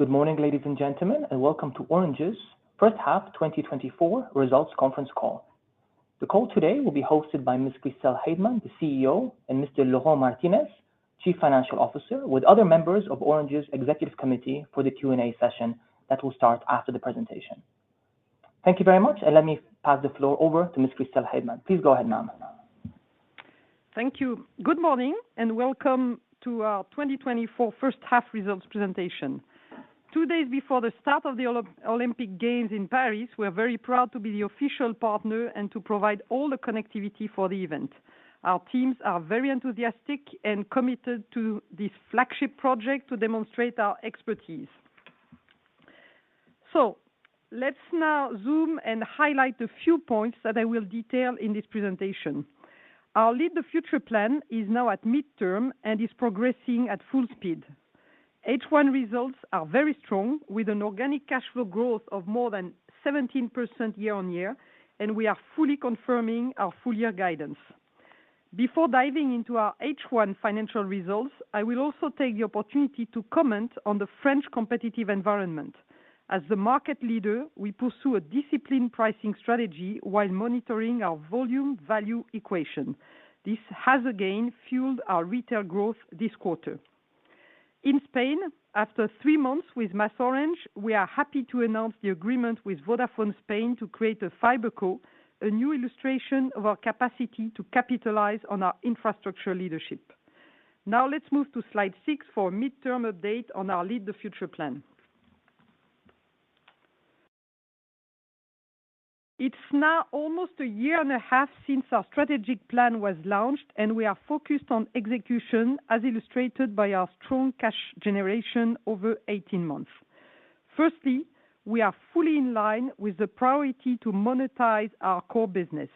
Good morning, ladies and gentlemen, and welcome to Orange's first half 2024 results conference call. The call today will be hosted by Ms. Christel Heydemann, the CEO, and Mr. Laurent Martinez, Chief Financial Officer, with other members of Orange's executive committee for the Q&A session that will start after the presentation. Thank you very much, and let me pass the floor over to Ms. Christel Heydemann. Please go ahead, ma'am. Thank you. Good morning, and welcome to our 2024 first half results presentation. Two days before the start of the Olympic Games in Paris, we are very proud to be the official partner and to provide all the connectivity for the event. Our teams are very enthusiastic and committed to this flagship project to demonstrate our expertise. So let's now zoom and highlight a few points that I will detail in this presentation. Our Lead the Future plan is now at midterm and is progressing at full speed. H1 results are very strong, with an organic cash flow growth of more than 17% year-on-year, and we are fully confirming our full year guidance. Before diving into our H1 financial results, I will also take the opportunity to comment on the French competitive environment. As the market leader, we pursue a disciplined pricing strategy while monitoring our volume-value equation. This has again fueled our retail growth this quarter. In Spain, after three months with MasOrange, we are happy to announce the agreement with Vodafone Spain to create a FibreCo, a new illustration of our capacity to capitalize on our infrastructure leadership. Now, let's move to slide six for a midterm update on our Lead the Future plan. It's now almost a year and a half since our strategic plan was launched, and we are focused on execution, as illustrated by our strong cash generation over 18 months. Firstly, we are fully in line with the priority to monetize our core business.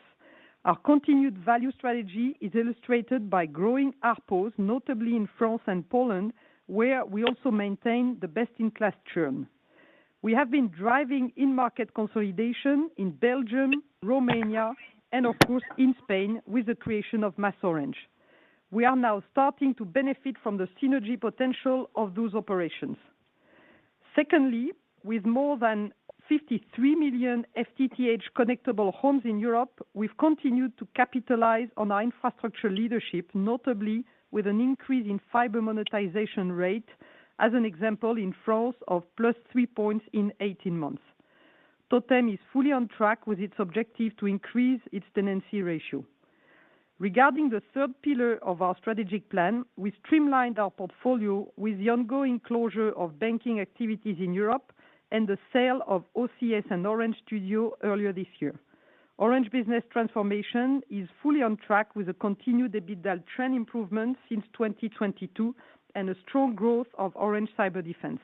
Our continued value strategy is illustrated by growing ARPU, notably in France and Poland, where we also maintain the best-in-class churn. We have been driving in-market consolidation in Belgium, Romania, and of course, in Spain with the creation of MasOrange. We are now starting to benefit from the synergy potential of those operations. Secondly, with more than 53 million FTTH connectable homes in Europe, we've continued to capitalize on our infrastructure leadership, notably with an increase in fiber monetization rate as an example in France of +3 points in 18 months. Totem is fully on track with its objective to increase its tenancy ratio. Regarding the third pillar of our strategic plan, we streamlined our portfolio with the ongoing closure of banking activities in Europe and the sale of OCS and Orange Studio earlier this year. Orange Business transformation is fully on track with a continued EBITDA trend improvement since 2022 and a strong growth of Orange Cyberdefense.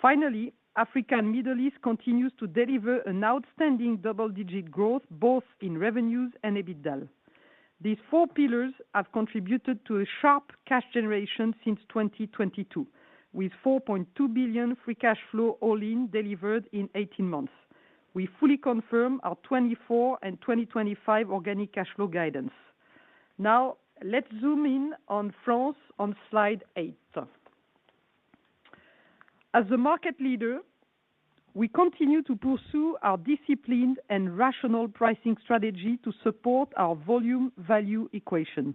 Finally, Africa and Middle East continues to deliver an outstanding double-digit growth, both in revenues and EBITDA. These four pillars have contributed to a sharp cash generation since 2022, with 4.2 billion free cash flow all-in delivered in 18 months. We fully confirm our 2024 and 2025 organic cash flow guidance. Now, let's zoom in on France on slide eight. As a market leader, we continue to pursue our disciplined and rational pricing strategy to support our volume-value equation.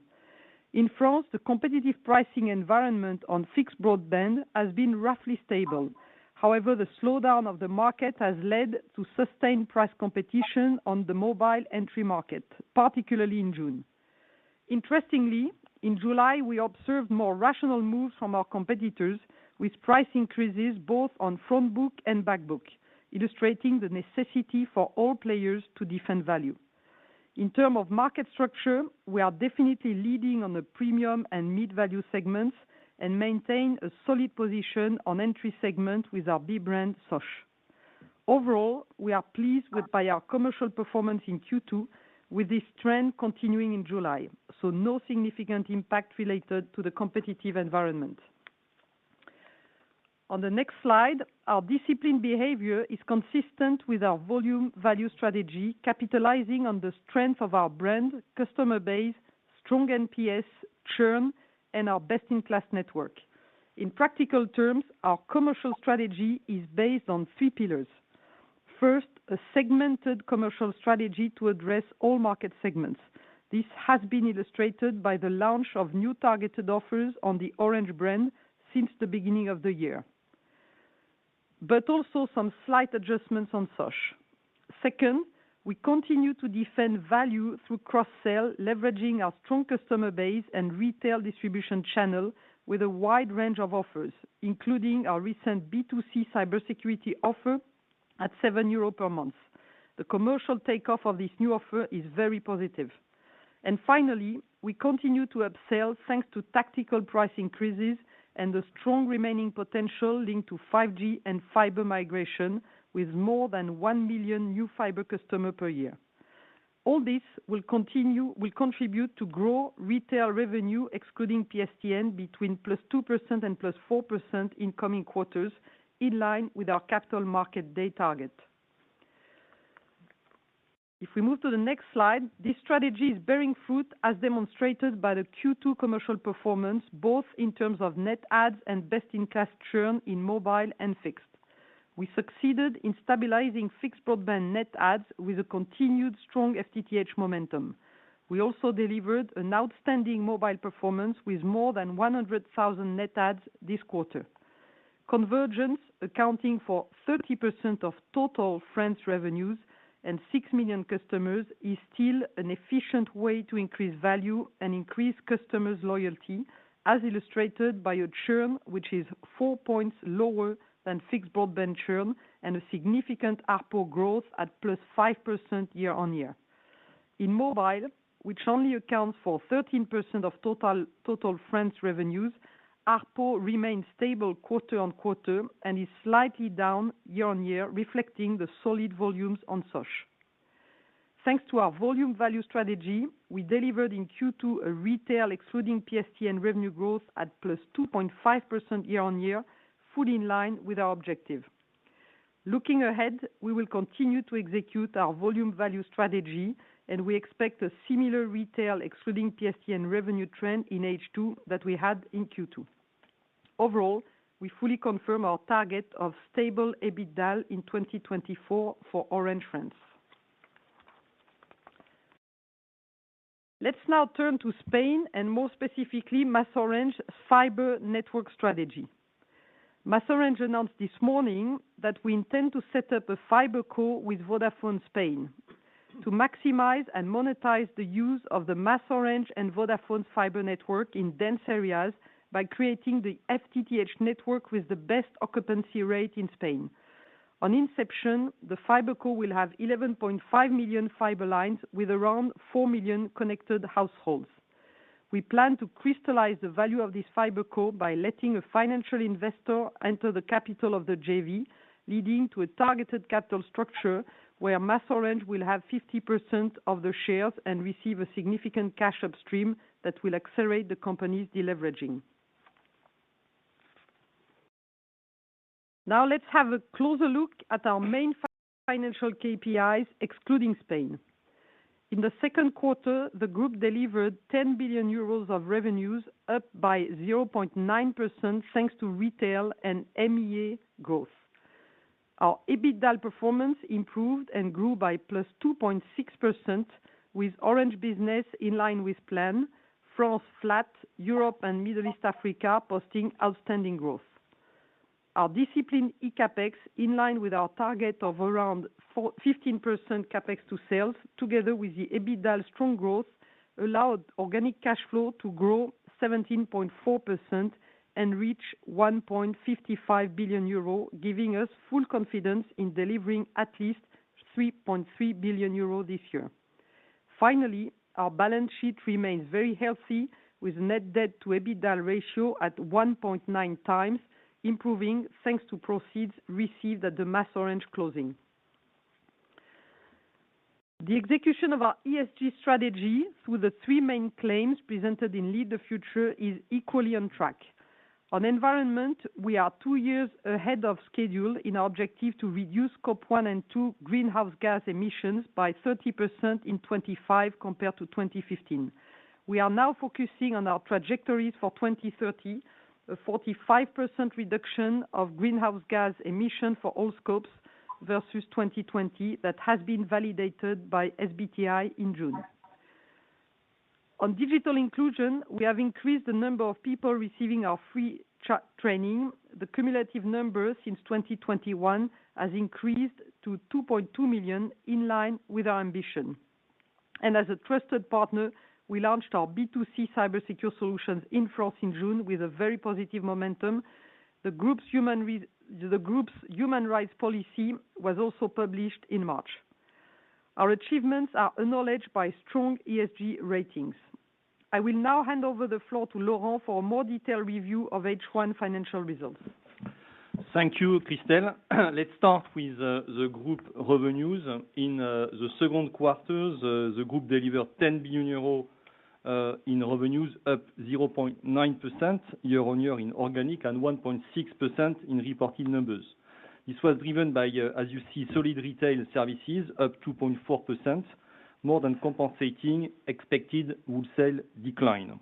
In France, the competitive pricing environment on fixed broadband has been roughly stable. However, the slowdown of the market has led to sustained price competition on the mobile entry market, particularly in June. Interestingly, in July, we observed more rational moves from our competitors with price increases both on front book and back book, illustrating the necessity for all players to defend value. In terms of market structure, we are definitely leading on the premium and mid-value segments and maintain a solid position on entry segment with our B brand, Sosh. Overall, we are pleased with our commercial performance in Q2, with this trend continuing in July, so no significant impact related to the competitive environment. On the next slide, our disciplined behavior is consistent with our volume-value strategy, capitalizing on the strength of our brand, customer base, strong NPS, churn, and our best-in-class network. In practical terms, our commercial strategy is based on three pillars. First, a segmented commercial strategy to address all market segments. This has been illustrated by the launch of new targeted offers on the Orange brand since the beginning of the year. But also some slight adjustments on Sosh. Second, we continue to defend value through cross-sell, leveraging our strong customer base and retail distribution channel with a wide range of offers, including our recent B2C cybersecurity offer at 7 euro per month. The commercial takeoff of this new offer is very positive. And finally, we continue to upsell thanks to tactical price increases and the strong remaining potential linked to 5G and fiber migration, with more than 1 million new fiber customer per year. All this will contribute to grow retail revenue, excluding PSTN, between +2% and +4% in coming quarters, in line with our Capital Markets Day target. If we move to the next slide, this strategy is bearing fruit, as demonstrated by the Q2 commercial performance, both in terms of net adds and best-in-class churn in mobile and fixed. We succeeded in stabilizing fixed broadband net adds with a continued strong FTTH momentum. We also delivered an outstanding mobile performance with more than 100,000 net adds this quarter. Convergence, accounting for 30% of total France revenues and 6 million customers, is still an efficient way to increase value and increase customers' loyalty, as illustrated by a churn, which is 4 points lower than fixed broadband churn, and a significant ARPU growth at +5% year-over-year. In mobile, which only accounts for 13% of total France revenues, ARPU remains stable quarter-over-quarter and is slightly down year-over-year, reflecting the solid volumes on Sosh. Thanks to our volume value strategy, we delivered in Q2 a retail excluding PSTN revenue growth at +2.5% year-over-year, fully in line with our objective. Looking ahead, we will continue to execute our volume value strategy, and we expect a similar retail excluding PSTN revenue trend in H2 that we had in Q2. Overall, we fully confirm our target of stable EBITDA in 2024 for Orange France. Let's now turn to Spain and more specifically, MasOrange fiber network strategy. MasOrange announced this morning that we intend to set up a FibreCo with Vodafone Spain, to maximize and monetize the use of the MasOrange and Vodafone fiber network in dense areas by creating the FTTH network with the best occupancy rate in Spain. On inception, the FibreCo will have 11.5 million fiber lines with around 4 million connected households. We plan to crystallize the value of this FibreCo by letting a financial investor enter the capital of the JV, leading to a targeted capital structure where MasOrange will have 50% of the shares and receive a significant cash upstream that will accelerate the company's deleveraging. Now, let's have a closer look at our main financial KPIs, excluding Spain. In the second quarter, the group delivered 10 billion euros of revenues, up by 0.9%, thanks to retail and MEA growth. Our EBITDA performance improved and grew by +2.6%, with Orange Business in line with plan, France flat, Europe and Middle East Africa posting outstanding growth. Our disciplined CapEx, in line with our target of around 4%-15% CapEx to sales, together with the EBITDA strong growth, allowed organic cash flow to grow 17.4% and reach 1.55 billion euro, giving us full confidence in delivering at least 3.3 billion euro this year. Finally, our balance sheet remains very healthy, with net debt to EBITDA ratio at 1.9x, improving, thanks to proceeds received at the MasOrange closing. The execution of our ESG strategy through the three main claims presented in Lead the Future is equally on track. On environment, we are two years ahead of schedule in our objective to reduce Scope 1 and 2 greenhouse gas emissions by 30% in 2025 compared to 2015. We are now focusing on our trajectories for 2030, a 45% reduction of greenhouse gas emission for all scopes versus 2020, that has been validated by SBTi in June. On digital inclusion, we have increased the number of people receiving our free training. The cumulative number since 2021 has increased to 2.2 million, in line with our ambition. And as a trusted partner, we launched our B2C cybersecurity solutions in France in June with a very positive momentum. The group's human rights policy was also published in March. Our achievements are acknowledged by strong ESG ratings. I will now hand over the floor to Laurent for a more detailed review of H1 financial results. Thank you, Christel. Let's start with the group revenues. In the second quarter, the group delivered 10 billion euros in revenues, up 0.9% year-on-year in organic and 1.6% in reported numbers. This was driven by, as you see, solid retail services, up 2.4%, more than compensating expected wholesale decline.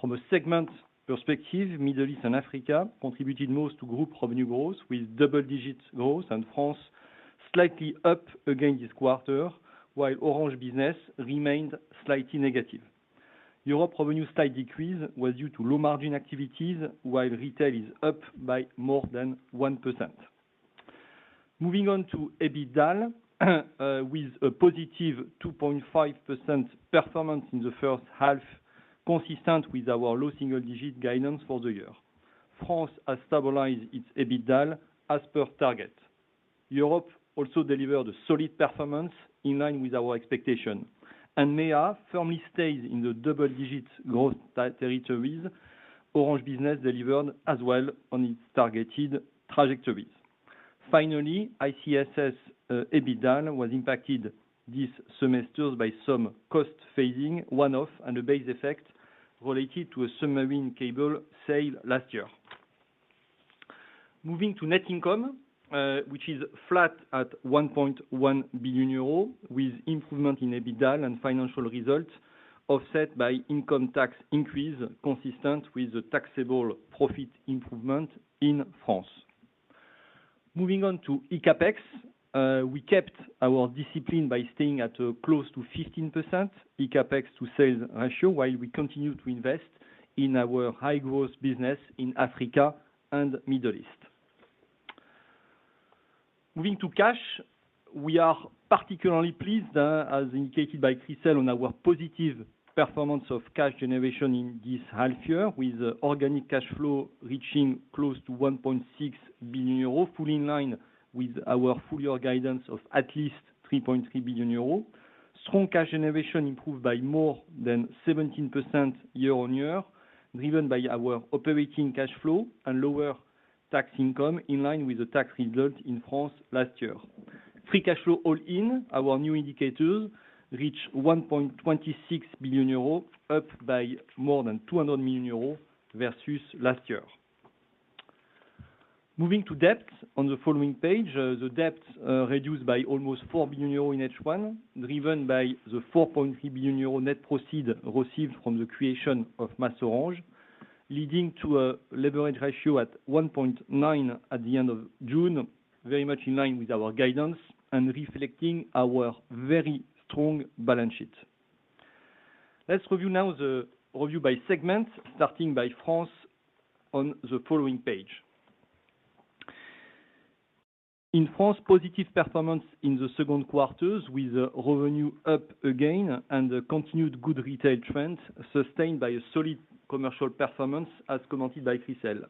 From a segment perspective, Middle East and Africa contributed most to group revenue growth, with double-digit growth and France slightly up again this quarter, while Orange Business remained slightly negative. Europe revenue slight decrease was due to low margin activities, while retail is up by more than 1%. Moving on to EBITDA, with a +2.5% performance in the first half, consistent with our low single digit guidance for the year. France has stabilized its EBITDA as per target. Europe also delivered a solid performance in line with our expectations, and MEA firmly stays in the double-digit growth territories. Orange Business delivered as well on its targeted trajectories. Finally, ICSS, EBITDA was impacted this semester by some cost phasing, one-off, and a base effect related to a submarine cable sale last year. Moving to net income, which is flat at 1.1 billion euro, with improvement in EBITDA and financial results, offset by income tax increase consistent with the taxable profit improvement in France. Moving on to CapEx, we kept our discipline by staying at, close to 15% CapEx to sales ratio, while we continue to invest in our high growth business in Africa and Middle East. Moving to cash, we are particularly pleased, as indicated by Christel, on our positive performance of cash generation in this half year, with organic cash flow reaching close to 1.6 billion euro, fully in line with our full year guidance of at least 3.3 billion euro. Strong cash generation improved by more than 17% year-on-year, driven by our operating cash flow and lower tax income in line with the tax result in France last year. Free cash flow all-in, our new indicator, reached 1.26 billion euro, up by more than 200 million euro versus last year. Moving to debt on the following page. The debt reduced by almost 4 billion euro in H1, driven by the 4.3 billion euro net proceeds received from the creation of MasOrange, leading to a leverage ratio at 1.9 at the end of June. Very much in line with our guidance and reflecting our very strong balance sheet. Let's review now the review by segment, starting by France on the following page. In France, positive performance in the second quarter, with revenue up again and the continued good retail trend sustained by a solid commercial performance, as commented by Christel.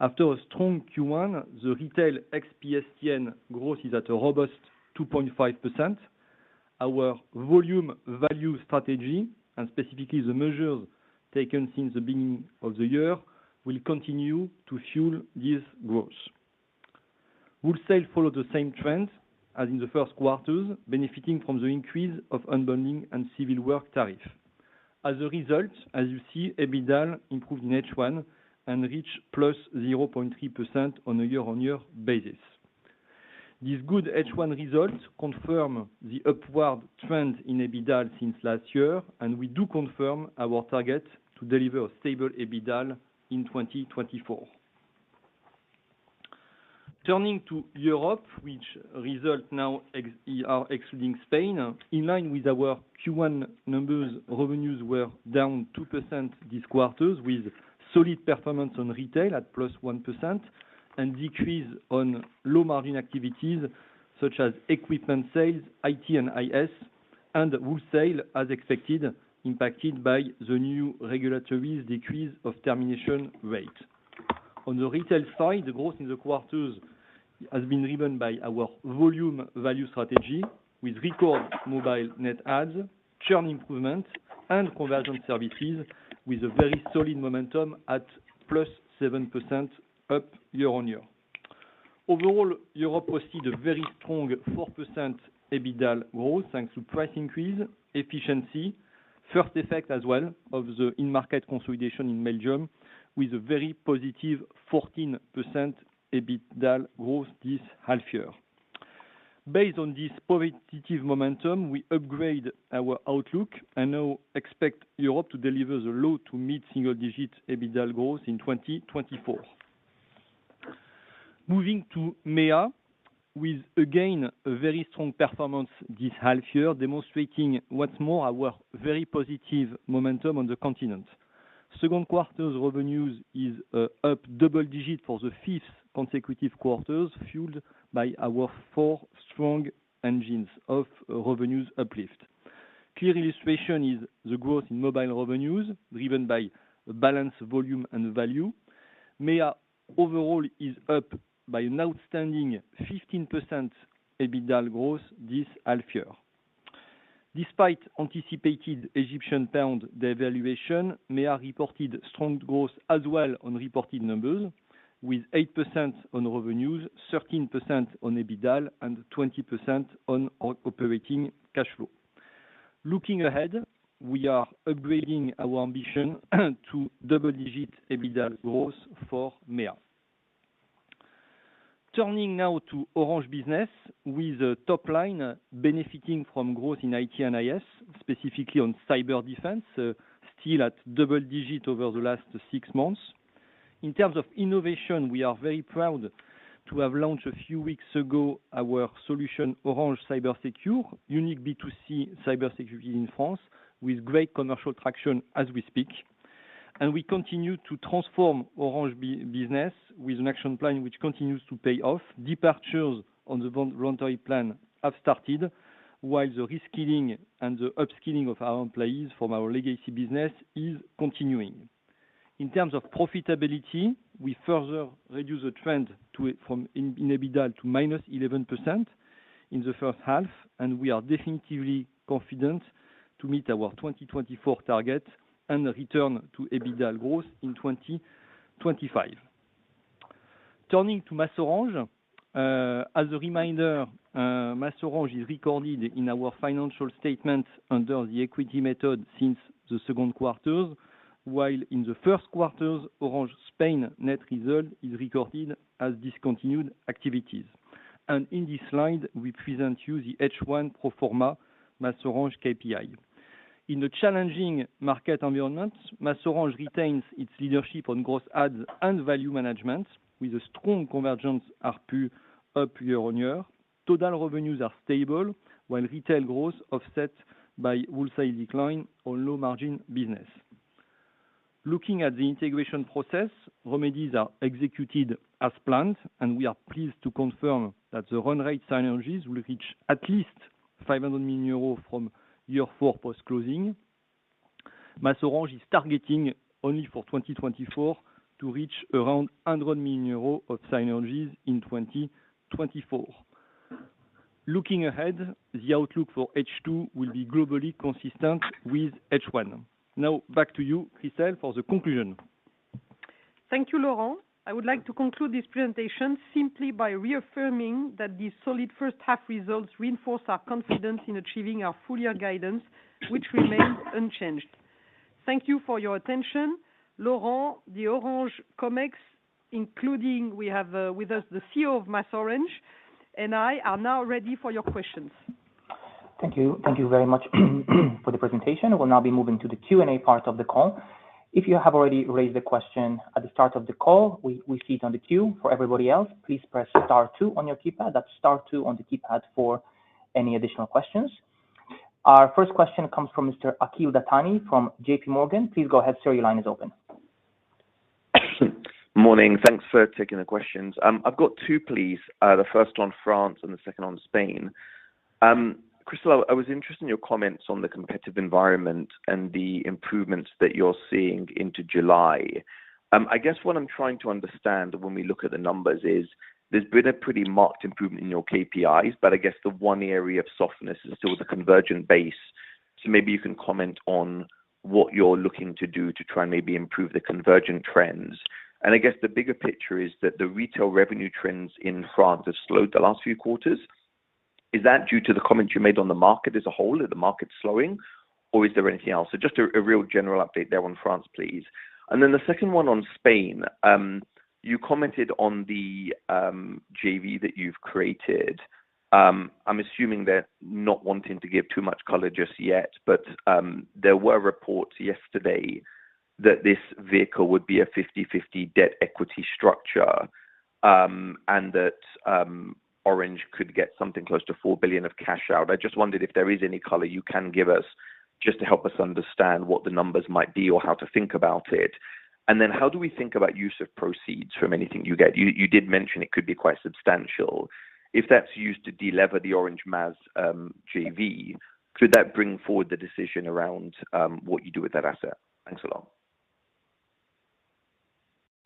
After a strong Q1, the retail ex-PSTN growth is at a robust 2.5%. Our volume value strategy, and specifically the measures taken since the beginning of the year, will continue to fuel this growth. Wholesale followed the same trend as in the first quarters, benefiting from the increase of unbundling and civil work tariff. As a result, as you see, EBITDA improved in H1 and reached +0.3% on a year-on-year basis. These good H1 results confirm the upward trend in EBITDA since last year, and we do confirm our target to deliver a stable EBITDA in 2024. Turning to Europe, which results now excluding Spain. In line with our Q1 numbers, revenues were down 2% this quarter, with solid performance on retail at +1% and decrease on low margin activities such as equipment sales, IT and IS, and wholesale as expected, impacted by the new regulatory decrease of termination rate. On the retail side, the growth in the quarters has been driven by our volume value strategy, with record mobile net adds, churn improvement, and conversion services with a very solid momentum at +7% up year-on-year. Overall, Europe received a very strong 4% EBITDA growth, thanks to price increase, efficiency, first effect as well of the in-market consolidation in Belgium, with a very +14% EBITDA growth this half year. Based on this positive momentum, we upgrade our outlook and now expect Europe to deliver the low- to mid-single-digit EBITDA growth in 2024. Moving to MEA, with again, a very strong performance this half year, demonstrating once more our very positive momentum on the continent. Second quarter's revenues is up double digits for the fifth consecutive quarters, fueled by our four strong engines of revenues uplift. Clear illustration is the growth in mobile revenues, driven by a balance, volume, and value. MEA overall is up by an outstanding 15% EBITDA growth this half year. Despite anticipated Egyptian pound devaluation, MEA reported strong growth as well on reported numbers, with 8% on revenues, 13% on EBITDA, and 20% on operating cash flow. Looking ahead, we are upgrading our ambition to double-digit EBITDA growth for MEA. Turning now to Orange Business, with a top line benefiting from growth in IT and IS, specifically on cyber defense, still at double digit over the last six months. In terms of innovation, we are very proud to have launched a few weeks ago our solution, Orange Cybersecure, unique B2C cybersecurity in France, with great commercial traction as we speak. And we continue to transform Orange Business with an action plan, which continues to pay off. Departures on the voluntary plan have started, while the reskilling and the upskilling of our employees from our legacy business is continuing. In terms of profitability, we further reduce the trend to it from in EBITDA to -11% in the first half, and we are definitively confident to meet our 2024 target and return to EBITDA growth in 2025. Turning to MasOrange. As a reminder, MasOrange is recorded in our financial statement under the equity method since the second quarters, while in the first quarters, Orange Spain net result is recorded as discontinued activities. And in this slide, we present you the H1 pro forma MasOrange KPI. In the challenging market environment, MasOrange retains its leadership on gross adds and value management, with a strong convergence ARPU up year-on-year. Total revenues are stable, while retail growth offset by wholesale decline on low margin business. Looking at the integration process, remedies are executed as planned, and we are pleased to confirm that the run rate synergies will reach at least 500 million euros from year four post-closing. MasOrange is targeting only for 2024 to reach around 100 million euros of synergies in 2024. Looking ahead, the outlook for H2 will be globally consistent with H1. Now back to you, Christel, for the conclusion. Thank you, Laurent. I would like to conclude this presentation simply by reaffirming that these solid first half results reinforce our confidence in achieving our full year guidance, which remains unchanged. Thank you for your attention. Laurent, the Orange Comex, including we have, with us, the CEO of MasOrange, and I are now ready for your questions. Thank you. Thank you very much for the presentation. We'll now be moving to the Q&A part of the call. If you have already raised a question at the start of the call, we see it on the queue. For everybody else, please press star two on your keypad. That's star two on the keypad for any additional questions. Our first question comes from Mr. Akhil Dattani from JPMorgan. Please go ahead, sir. Your line is open. Morning. Thanks for taking the questions. I've got two, please. The first on France and the second on Spain. Christel, I was interested in your comments on the competitive environment and the improvements that you're seeing into July. I guess what I'm trying to understand when we look at the numbers is, there's been a pretty marked improvement in your KPIs, but I guess the one area of softness is still the convergent base. So maybe you can comment on what you're looking to do to try and maybe improve the convergent trends. And I guess the bigger picture is that the retail revenue trends in France have slowed the last few quarters. Is that due to the comments you made on the market as a whole? Is the market slowing, or is there anything else? So just a real general update there on France, please. Then the second one on Spain. You commented on the JV that you've created. I'm assuming they're not wanting to give too much color just yet, but there were reports yesterday that this vehicle would be a 50/50 debt equity structure. And that Orange could get something close to 4 billion of cash out. I just wondered if there is any color you can give us just to help us understand what the numbers might be or how to think about it. Then how do we think about use of proceeds from anything you get? You did mention it could be quite substantial. If that's used to de-lever the MasOrange JV, could that bring forward the decision around what you do with that asset? Thanks a lot.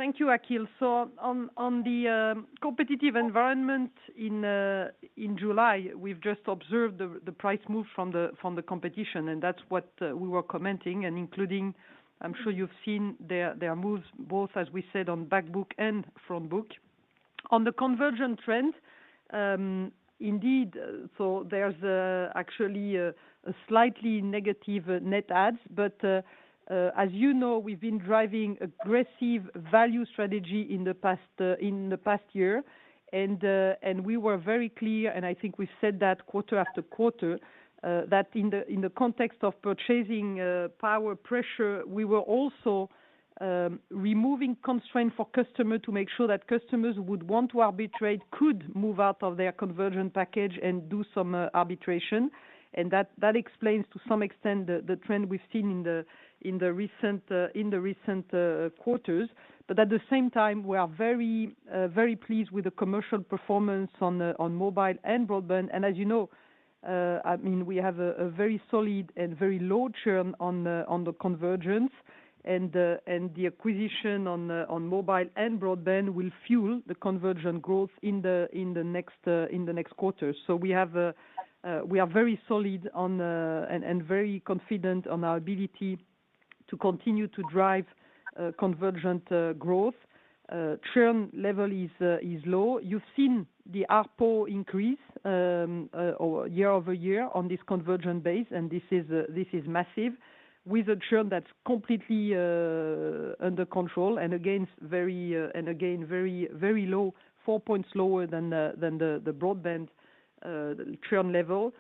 Thank you, Akhil. So on the competitive environment in July, we've just observed the price move from the competition, and that's what we were commenting and including. I'm sure you've seen their moves, both, as we said, on back book and front book. On the convergent trend, indeed, so there's actually a slightly negative net adds. But, as you know, we've been driving aggressive value strategy in the past year. And we were very clear, and I think we said that quarter after quarter, that in the context of purchasing power pressure, we were also removing constraint for customer to make sure that customers would want to arbitrate, could move out of their convergent package and do some arbitration. And that explains to some extent the trend we've seen in the recent quarters. But at the same time, we are very pleased with the commercial performance on mobile and broadband. And as you know, I mean, we have a very solid and very low churn on the convergence and the acquisition on mobile and broadband will fuel the convergence growth in the next quarter. So we are very solid on and very confident on our ability to continue to drive convergent growth. Churn level is low. You've seen the ARPU increase over year-over-year on this convergent base, and this is massive. With a churn that's completely under control, and again, very, and again, very, very low, four points lower than the broadband churn level.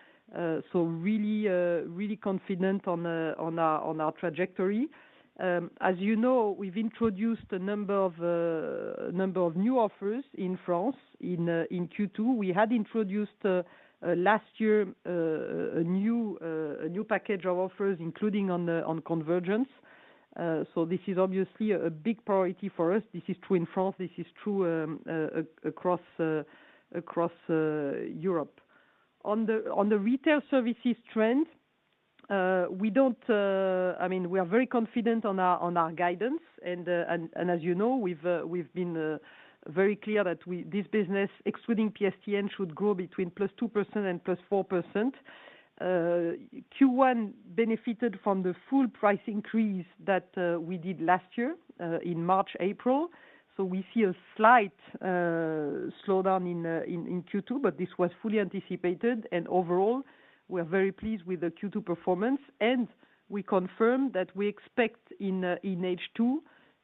So really confident on our trajectory. As you know, we've introduced a number of new offers in France in Q2. We had introduced last year a new package of offers, including on convergence. So this is obviously a big priority for us. This is true in France. This is true across Europe. On the retail services trend, I mean, we are very confident on our guidance and, as you know, we've been very clear that this business, excluding PSTN, should grow between +2% and +4%. Q1 benefited from the full price increase that we did last year, in March, April. We see a slight slowdown in Q2, but this was fully anticipated, and overall, we are very pleased with the Q2 performance. We confirm that we expect in H2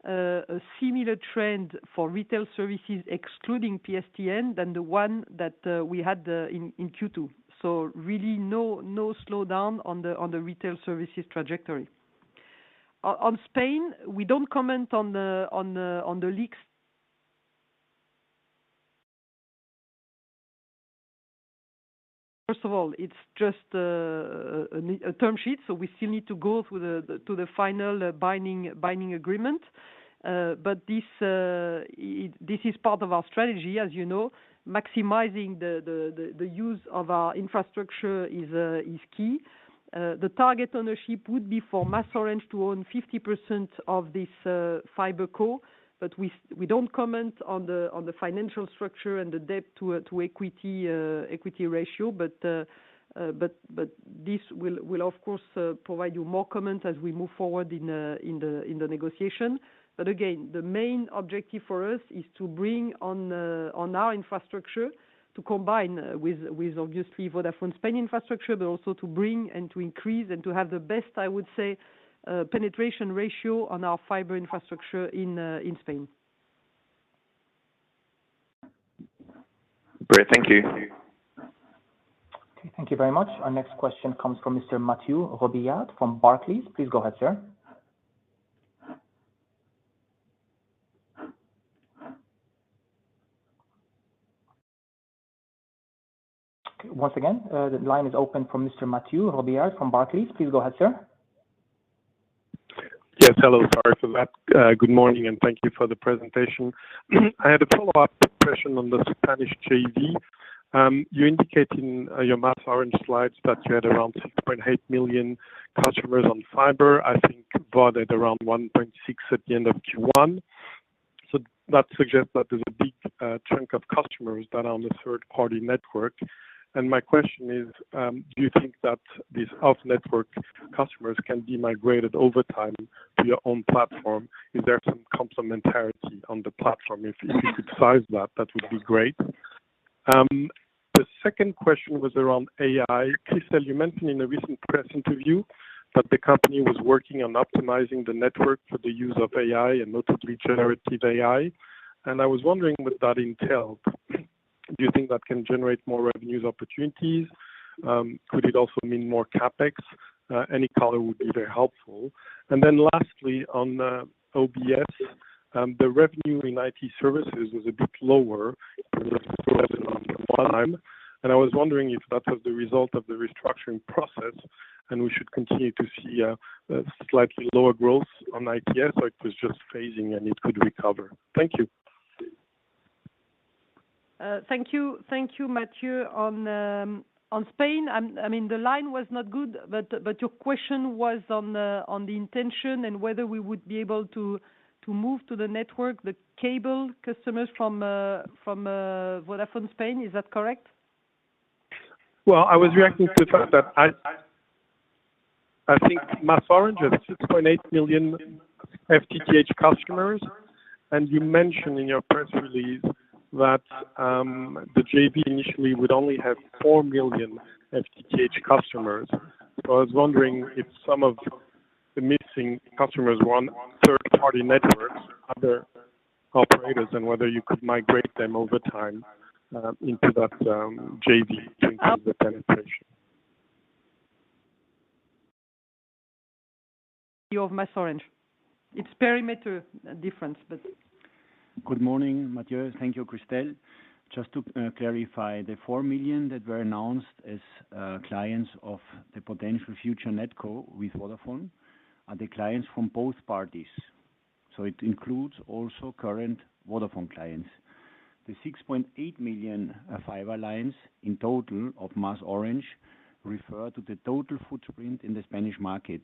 a similar trend for retail services excluding PSTN than the one that we had in Q2. Really, no slowdown on the retail services trajectory. On Spain, we don't comment on the leaks. First of all, it's just a term sheet, so we still need to go through to the final binding agreement. But this is part of our strategy. As you know, maximizing the use of our infrastructure is key. The target ownership would be for MasOrange to own 50% of this FibreCo. But we don't comment on the financial structure and the debt to equity ratio. But this will, of course, provide you more comment as we move forward in the negotiation. But again, the main objective for us is to bring on, on our infrastructure, to combine with, with obviously Vodafone Spain's infrastructure, but also to bring and to increase and to have the best, I would say, penetration ratio on our fiber infrastructure in, in Spain. Great. Thank you. Okay, thank you very much. Our next question comes from Mr. Mathieu Robilliard from Barclays. Please go ahead, sir. Okay, once again, the line is open from Mr. Mathieu Robilliard from Barclays. Please go ahead, sir. Yes, hello. Sorry for that. Good morning, and thank you for the presentation. I had a follow-up question on the Spanish JV. You indicate in your MasOrange slides that you had around 6.8 million customers on fiber, I think Vodafone around 1.6 at the end of Q1. So that suggests that there's a big chunk of customers that are on the third-party network. My question is, do you think that these off-network customers can be migrated over time to your own platform? Is there some complementarity on the platform? If you could size that, that would be great. The second question was around AI. Christel, you mentioned in a recent press interview that the company was working on optimizing the network for the use of AI and notably generative AI, and I was wondering what that entailed. Do you think that can generate more revenues opportunities? Could it also mean more CapEx? Any color would be very helpful. And then lastly, on OBS, the revenue in IT services was a bit lower than on time, and I was wondering if that was the result of the restructuring process, and we should continue to see a slightly lower growth on ITS, or it was just phasing and it could recover. Thank you. Thank you. Thank you, Mathieu. On Spain, I mean, the line was not good, but your question was on the intention and whether we would be able to move to the network, the cable customers from Vodafone Spain. Is that correct? Well, I was reacting to the fact that I, I think MasOrange has 6.8 million FTTH customers, and you mentioned in your press release that, the JV initially would only have 4 million FTTH customers. So I was wondering if some of the missing customers were on third-party networks, other operators, and whether you could migrate them over time, into that, JV, increasing the penetration. Of MasOrange. It's perimeter difference, but- Good morning, Mathieu. Thank you, Christel. Just to clarify, the 4 million that were announced as clients of the potential future NetCo with Vodafone are the clients from both parties, so it includes also current Vodafone clients. The 6.8 million fiber lines in total of MasOrange refer to the total footprint in the Spanish market.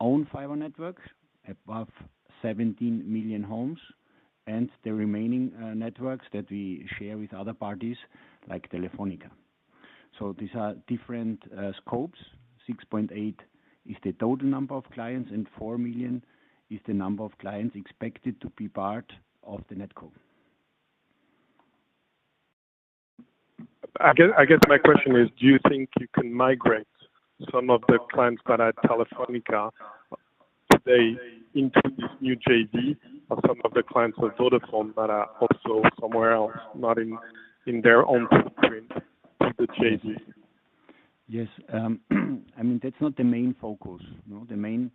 Own fiber network, above 17 million homes, and the remaining networks that we share with other parties, like Telefónica. So these are different scopes. 6.8 is the total number of clients, and 4 million is the number of clients expected to be part of the NetCo. I guess, I guess my question is: do you think you can migrate some of the clients that are Telefónica, they into this new JV or some of the clients with Vodafone that are also somewhere else, not in their own footprint, into the JV? Yes. I mean, that's not the main focus. No, the main,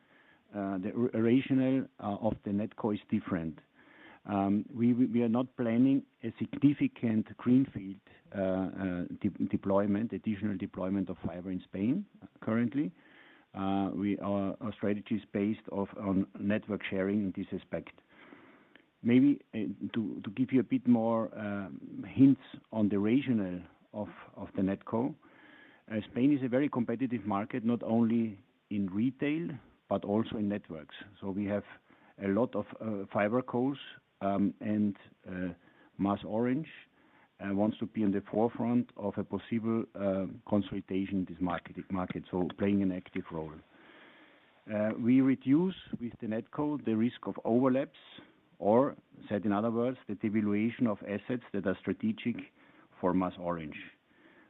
the rationale of the NetCo is different. We are not planning a significant greenfield deployment, additional deployment of fiber in Spain currently. Our strategy is based off on network sharing in this aspect. Maybe to give you a bit more hints on the rationale of the NetCo, Spain is a very competitive market not only in retail, but also in networks. So we have a lot of FibreCos, and MasOrange wants to be in the forefront of a possible consolidation in this market, so playing an active role. We reduce, with the NetCo, the risk of overlaps, or said in other words, the devaluation of assets that are strategic for MasOrange.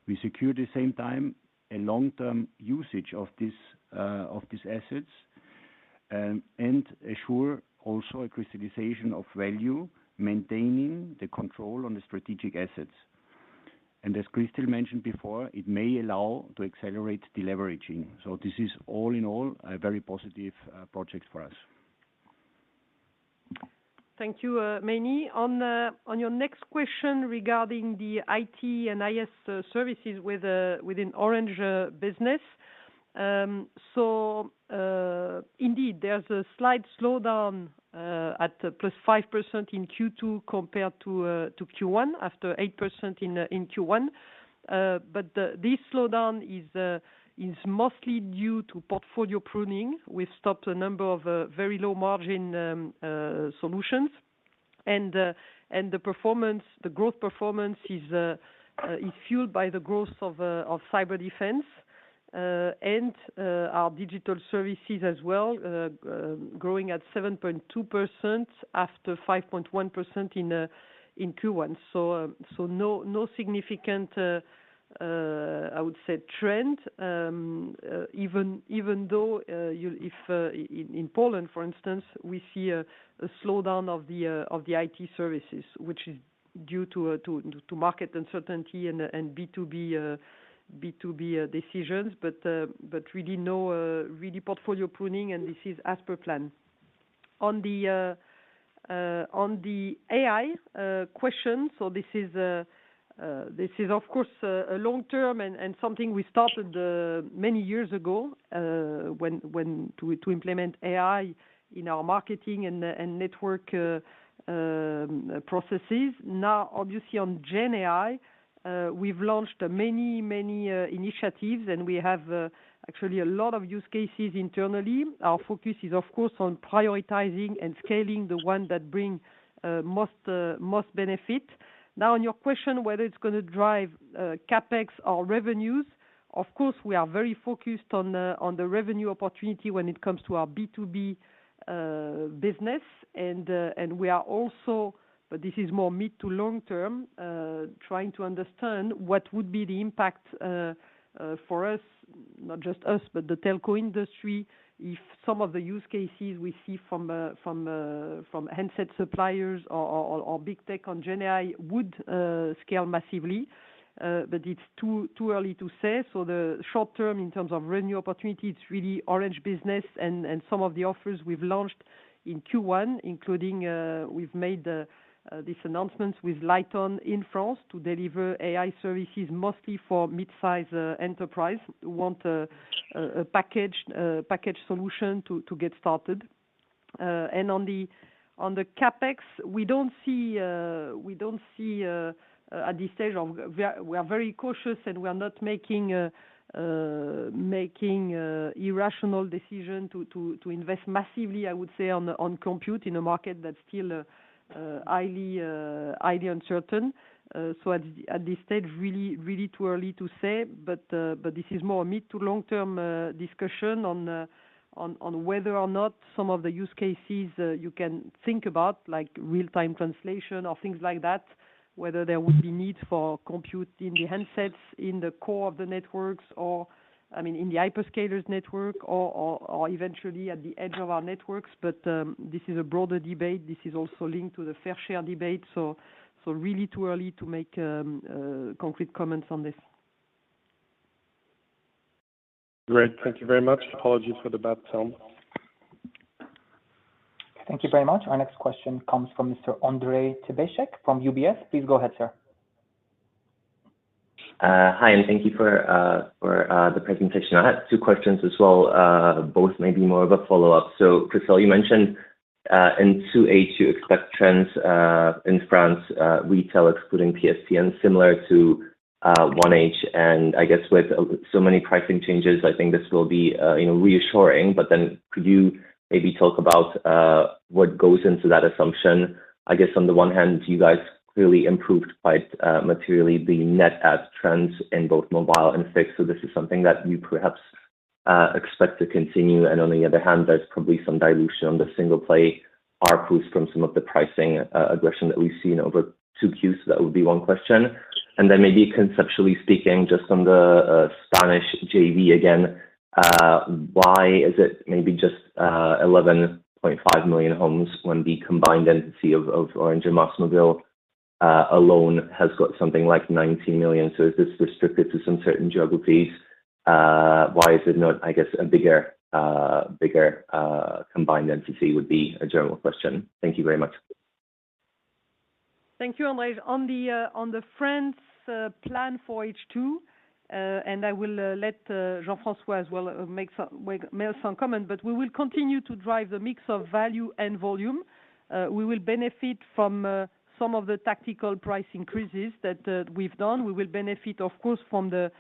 We secure the same time, a long-term usage of this, of these assets. And assure also a crystallization of value, maintaining the control on the strategic assets. And as Christel mentioned before, it may allow to accelerate deleveraging. So this is, all in all, a very positive, project for us. Thank you, Meinrad. On your next question regarding the IT and IS services within Orange Business. So, indeed, there's a slight slowdown at +5% in Q2 compared to Q1, after 8% in Q1. But this slowdown is mostly due to portfolio pruning. We stopped a number of very low margin solutions. And the performance, the growth performance is fueled by the growth of cyber defense and our digital services as well, growing at 7.2% after 5.1% in Q1. So, no significant, I would say trend. Even though in Poland, for instance, we see a slowdown of the IT services, which is due to market uncertainty and B2B decisions. But really no portfolio pruning, and this is as per plan. On the AI question, so this is of course a long-term and something we started many years ago when to implement AI in our marketing and network processes. Now, obviously, on GenAI, we've launched many initiatives, and we have actually a lot of use cases internally. Our focus is, of course, on prioritizing and scaling the one that bring most benefit. Now, on your question, whether it's gonna drive CapEx or revenues, of course, we are very focused on the revenue opportunity when it comes to our B2B business. And we are also, but this is more mid to long-term, trying to understand what would be the impact for us, not just us, but the telco industry, if some of the use cases we see from handset suppliers or big tech on GenAI would scale massively. But it's too early to say. in the short-term, in terms of revenue opportunity, it's really Orange Business and some of the offers we've launched in Q1, including we've made this announcement with LightOn in France to deliver AI services mostly for mid-size enterprise who want a package solution to get started. And on the CapEx, we don't see at this stage. We are very cautious, and we are not making irrational decision to invest massively, I would say, on compute, in a market that's still highly uncertain. So at this stage, really too early to say, but this is more a mid- to long-term discussion on whether or not some of the use cases you can think about, like real-time translation or things like that, whether there would be need for compute in the handsets, in the core of the networks or, I mean, in the hyperscalers network or eventually at the edge of our networks. But this is a broader debate. This is also linked to the fair share debate. So really too early to make concrete comments on this. Great. Thank you very much. Apologies for the bad sound. Thank you very much. Our next question comes from Mr. Ondrej Cabejsek from UBS. Please go ahead, sir. Hi, and thank you for the presentation. I had two questions as well, both may be more of a follow-up. So Christel, you mentioned in 2H, you expect trends in France, retail excluding PSTN, similar to 1H. And I guess with so many pricing changes, I think this will be, you know, reassuring. But then could you maybe talk about what goes into that assumption? I guess on the one hand, you guys clearly improved quite materially the net add trends in both mobile and fixed. So this is something that you perhaps expect to continue, and on the other hand, there's probably some dilution on the single play ARPU from some of the pricing aggression that we've seen over 2Qs. So that would be one question. Then maybe conceptually speaking, just on the Spanish JV again, why is it maybe just 11.5 million homes when the combined entity of Orange and MásMóvil alone has got something like 19 million? So is this restricted to some certain geographies? Why is it not, I guess, a bigger combined entity? Would be a general question. Thank you very much. Thank you, Ondrej. On the France plan for H2, and I will let Jean-François as well make some comment, but we will continue to drive the mix of value and volume. We will benefit from some of the tactical price increases that we've done. We will benefit, of course, from the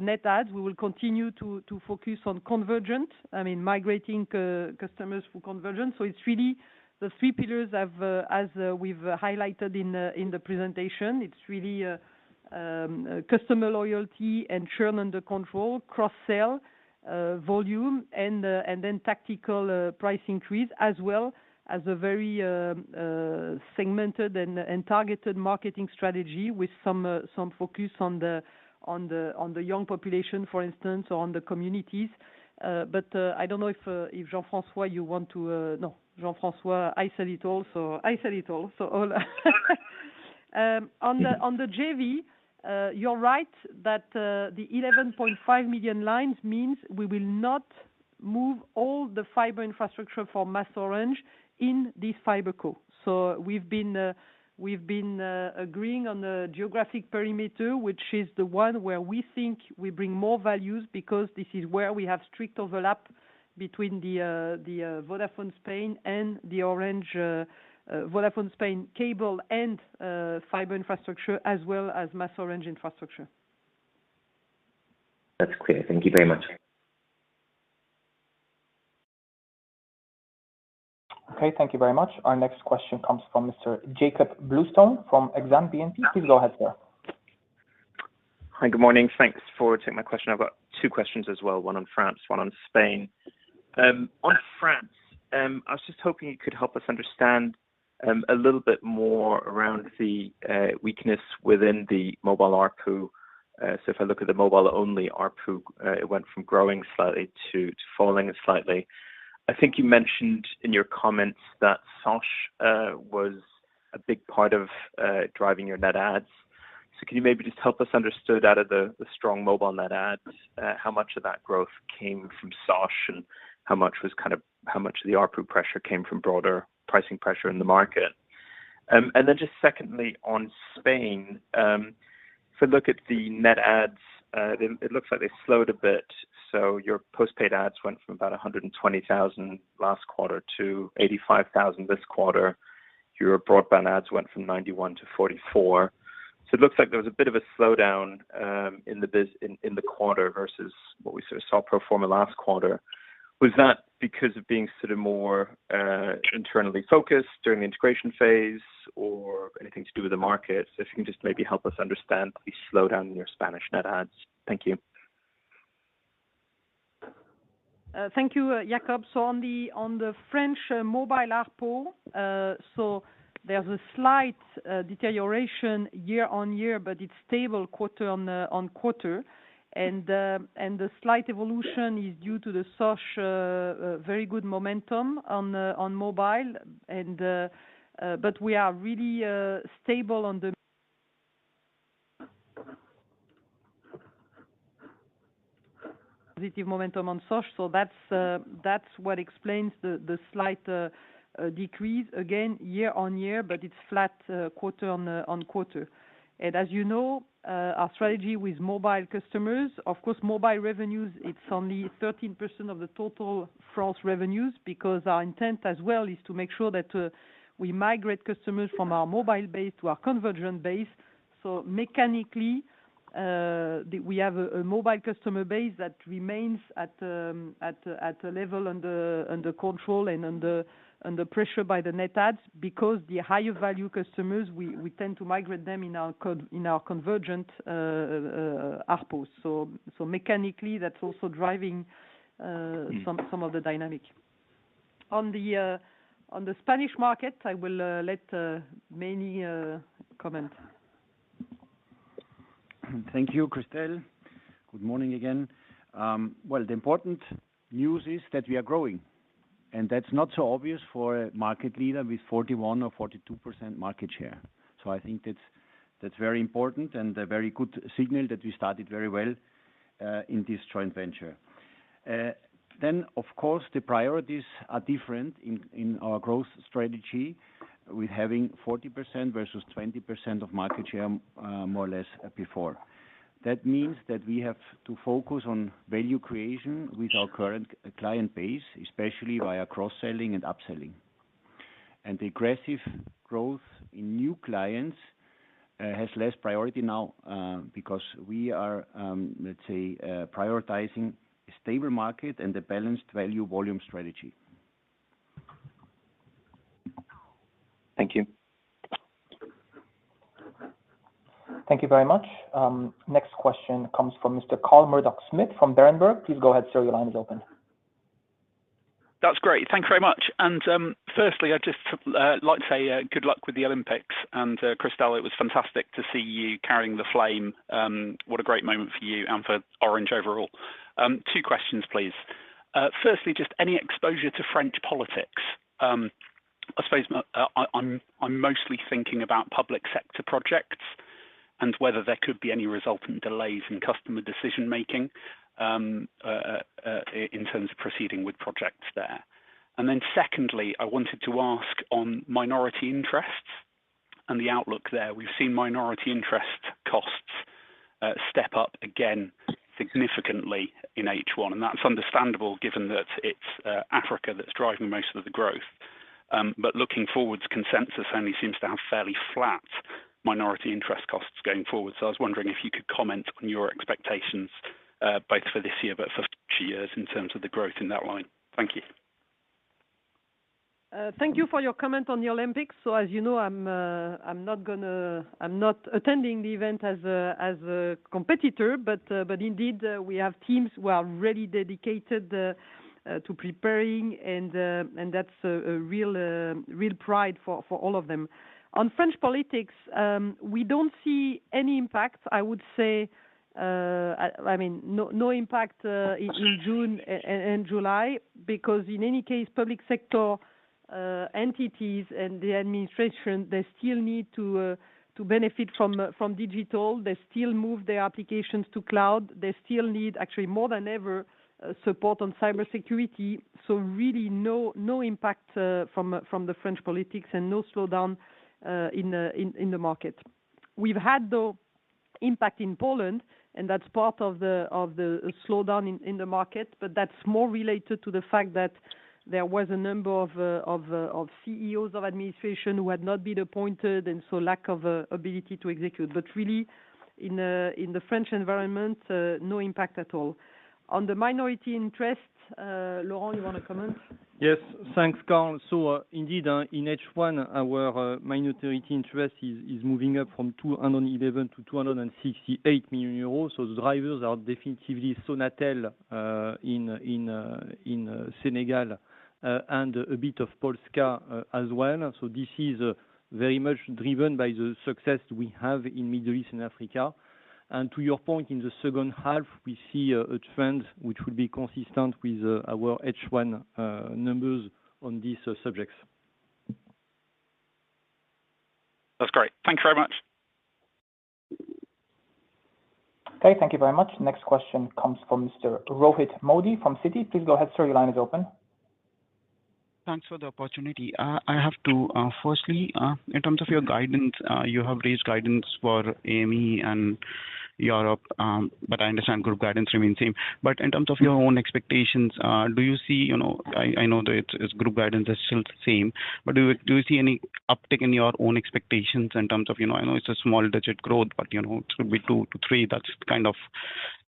net add. We will continue to focus on convergent, I mean, migrating customers for convergent. So it's really the three pillars of, as we've highlighted in the presentation. It's really. Customer loyalty and churn under control, cross-sell, volume, and then tactical price increase, as well as a very segmented and targeted marketing strategy with some focus on the young population, for instance, or on the communities. But I don't know if Jean-François you want to. No, Jean-François, I said it all, so I said it all. So on the JV, you're right that the 11.5 million lines means we will not move all the fiber infrastructure for MasOrange in this FibreCo. So we've been agreeing on the geographic perimeter, which is the one where we think we bring more values, because this is where we have strict overlap between the Vodafone Spain and the Orange, Vodafone Spain cable and fiber infrastructure as well as MasOrange infrastructure. That's clear. Thank you very much. Okay, thank you very much. Our next question comes from Mr. Jakob Bluestone from Exane BNP. Please go ahead, sir. Hi, good morning. Thanks for taking my question. I've got two questions as well, one on France, one on Spain. On France, I was just hoping you could help us understand a little bit more around the weakness within the mobile ARPU. So if I look at the mobile only ARPU, it went from growing slightly to falling slightly. I think you mentioned in your comments that Sosh was a big part of driving your net adds. So can you maybe just help us understand out of the strong mobile net adds how much of that growth came from Sosh, and how much was kind of—how much of the ARPU pressure came from broader pricing pressure in the market? And then just secondly, on Spain, if I look at the net adds, it looks like they slowed a bit. So your postpaid adds went from about 120,000 last quarter to 85,000 this quarter. Your broadband adds went from 91 to 44. So it looks like there was a bit of a slowdown in the quarter versus what we sort of saw pro forma last quarter. Was that because of being sort of more internally focused during the integration phase or anything to do with the market? So if you can just maybe help us understand the slowdown in your Spanish net adds? Thank you. Thank you, Jakob. So on the French mobile ARPU, so there's a slight deterioration year-on-year, but it's stable quarter-on-quarter. And the slight evolution is due to the Sosh very good momentum on mobile and, but we are really stable on the momentum on Sosh. So that's what explains the slight decrease again, year-on-year, but it's flat quarter-on-quarter. And as you know, our strategy with mobile customers, of course, mobile revenues, it's only 13% of the total France revenues, because our intent as well is to make sure that we migrate customers from our mobile base to our convergent base. So mechanically, we have a mobile customer base that remains at a level under control and under pressure by the net adds, because the higher value customers, we tend to migrate them in our convergent ARPU. So mechanically, that's also driving some of the dynamic. On the Spanish market, I will let Meinrad comment. Thank you, Christel. Good morning again. Well, the important news is that we are growing, and that's not so obvious for a market leader with 41% or 42% market share. So I think that's, that's very important and a very good signal that we started very well in this joint venture. Then, of course, the priorities are different in our growth strategy with having 40% versus 20% of market share, more or less, before. That means that we have to focus on value creation with our current client base, especially via cross-selling and upselling. Aggressive growth in new clients has less priority now, because we are, let's say, prioritizing a stable market and a balanced value volume strategy. Thank you. Thank you very much. Next question comes from Mr. Carl Murdock-Smith from Berenberg. Please go ahead, sir. Your line is open. That's great. Thank you very much. And, firstly, I'd just like to say good luck with the Olympics, and Christel, it was fantastic to see you carrying the flame. What a great moment for you and for Orange overall. Two questions, please. Firstly, just any exposure to French politics? I suppose I'm mostly thinking about public sector projects and whether there could be any resultant delays in customer decision making in terms of proceeding with projects there. And then secondly, I wanted to ask on minority interests and the outlook there. We've seen minority interest costs step up again significantly in H1, and that's understandable given that it's Africa that's driving most of the growth. But looking forward, consensus only seems to have fairly flat minority interest costs going forward. I was wondering if you could comment on your expectations, both for this year, but for future years in terms of the growth in that line? Thank you. Thank you for your comment on the Olympics. So as you know, I'm not gonna, I'm not attending the event as a competitor, but indeed, we have teams who are really dedicated to preparing, and that's a real pride for all of them. On French politics, we don't see any impact, I would say, I mean, no impact in June and July, because in any case, public sector entities and the administration, they still need to benefit from digital. They still move their applications to cloud, they still need, actually, more than ever, support on cybersecurity. So really no impact from the French politics and no slowdown in the market. We've had, though, impact in Poland, and that's part of the slowdown in the market, but that's more related to the fact that there was a number of change of administration who had not been appointed, and so lack of ability to execute. But really, in the French environment, no impact at all. On the minority interest, Laurent, you wanna comment? Yes. Thanks, Christel. So, indeed, in H1, our minority interest is moving up from 211 million-268 million euros. So the drivers are definitively Sonatel in Senegal and a bit of Polska as well. So this is very much driven by the success we have in Middle East and Africa. And to your point, in the second half, we see a trend which would be consistent with our H1 numbers on these subjects. That's great. Thank you very much. Okay, thank you very much. Next question comes from Mr. Rohit Modi from Citi. Please go ahead, sir, your line is open. Thanks for the opportunity. I have to, firstly, in terms of your guidance, you have raised guidance for MEA and Europe, but I understand group guidance remain same. But in terms of your own expectations, do you see. You know, I, I know that it's, it's group guidance is still the same, but do you, do you see any uptick in your own expectations in terms of, you know, I know it's a single digit growth, but, you know, it could be 2-3. That's kind of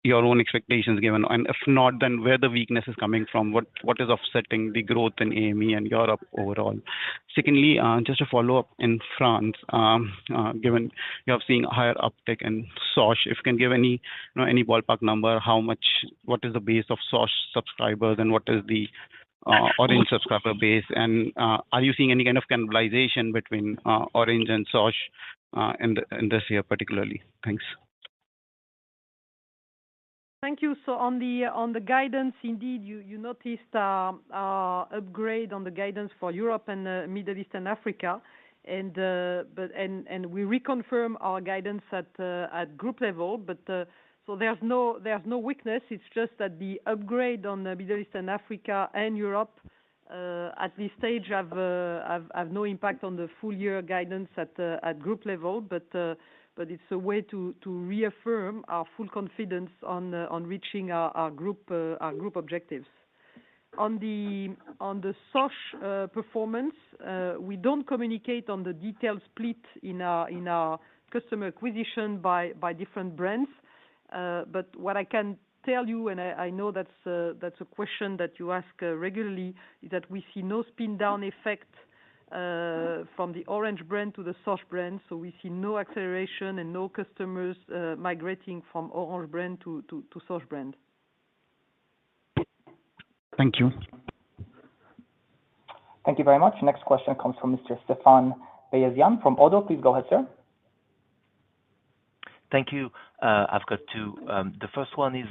your own expectations given. And if not, then where the weakness is coming from, what, what is offsetting the growth in MEA and Europe overall? Secondly, just to follow-up, in France, given you have seen a higher uptick in Sosh, if you can give any, you know, any ballpark number, how much—what is the base of Sosh subscribers, and what is the, Orange subscriber base? And, are you seeing any kind of cannibalization between, Orange and Sosh, in the, in this year particularly? Thanks. Thank you. So on the guidance, indeed, you noticed upgrade on the guidance for Europe and Middle East and Africa. And we reconfirm our guidance at group level, but so there's no weakness. It's just that the upgrade on the Middle East and Africa and Europe at this stage have no impact on the full year guidance at group level. But it's a way to reaffirm our full confidence on reaching our group objectives. On the Sosh performance, we don't communicate on the detailed split in our customer acquisition by different brands. But what I can tell you, and I know that's a question that you ask regularly, is that we see no spin down effect from the Orange brand to the Sosh brand. So we see no acceleration and no customers migrating from Orange brand to Sosh brand. Thank you. Thank you very much. Next question comes from Mr. Stephane Beyazian from Oddo. Please go ahead, sir. Thank you. I've got two. The first one is: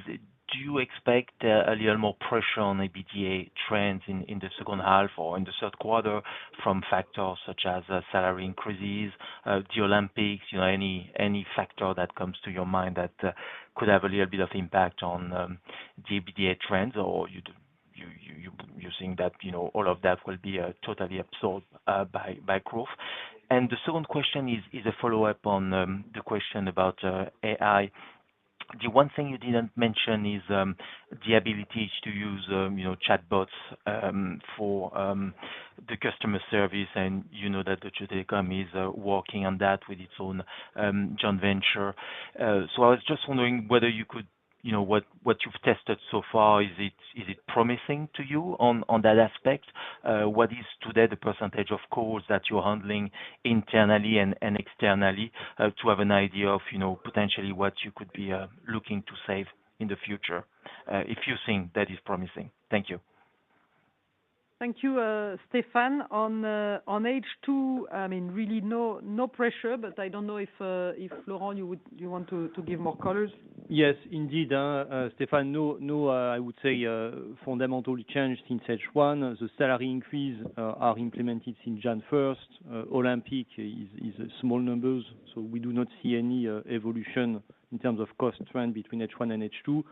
do you expect a little more pressure on the EBITDA trends in the second half or in the third quarter from factors such as salary increases, the Olympics, you know, any factor that comes to your mind that could have a little bit of impact on the EBITDA trends? Or do you think that, you know, all of that will be totally absorbed by growth? And the second question is a follow-up on the question about AI. The one thing you didn't mention is the ability to use, you know, chatbots for the customer service, and you know that the Deutsche Telekom is working on that with its own joint venture. I was just wondering whether you could, you know, what you've tested so far, is it promising to you on that aspect? What is today the percentage of calls that you're handling internally and externally, to have an idea of, you know, potentially what you could be looking to save in the future, if you think that is promising? Thank you. Thank you, Stephane. On H2, I mean, really no, no pressure, but I don't know if Laurent, you want to give more colors? Yes, indeed, Stephane, no, no, I would say, fundamentally changed since H1. The salary increase are implemented since January 1st. Olympic is a small numbers, so we do not see any evolution in terms of cost trend between H1 and H2,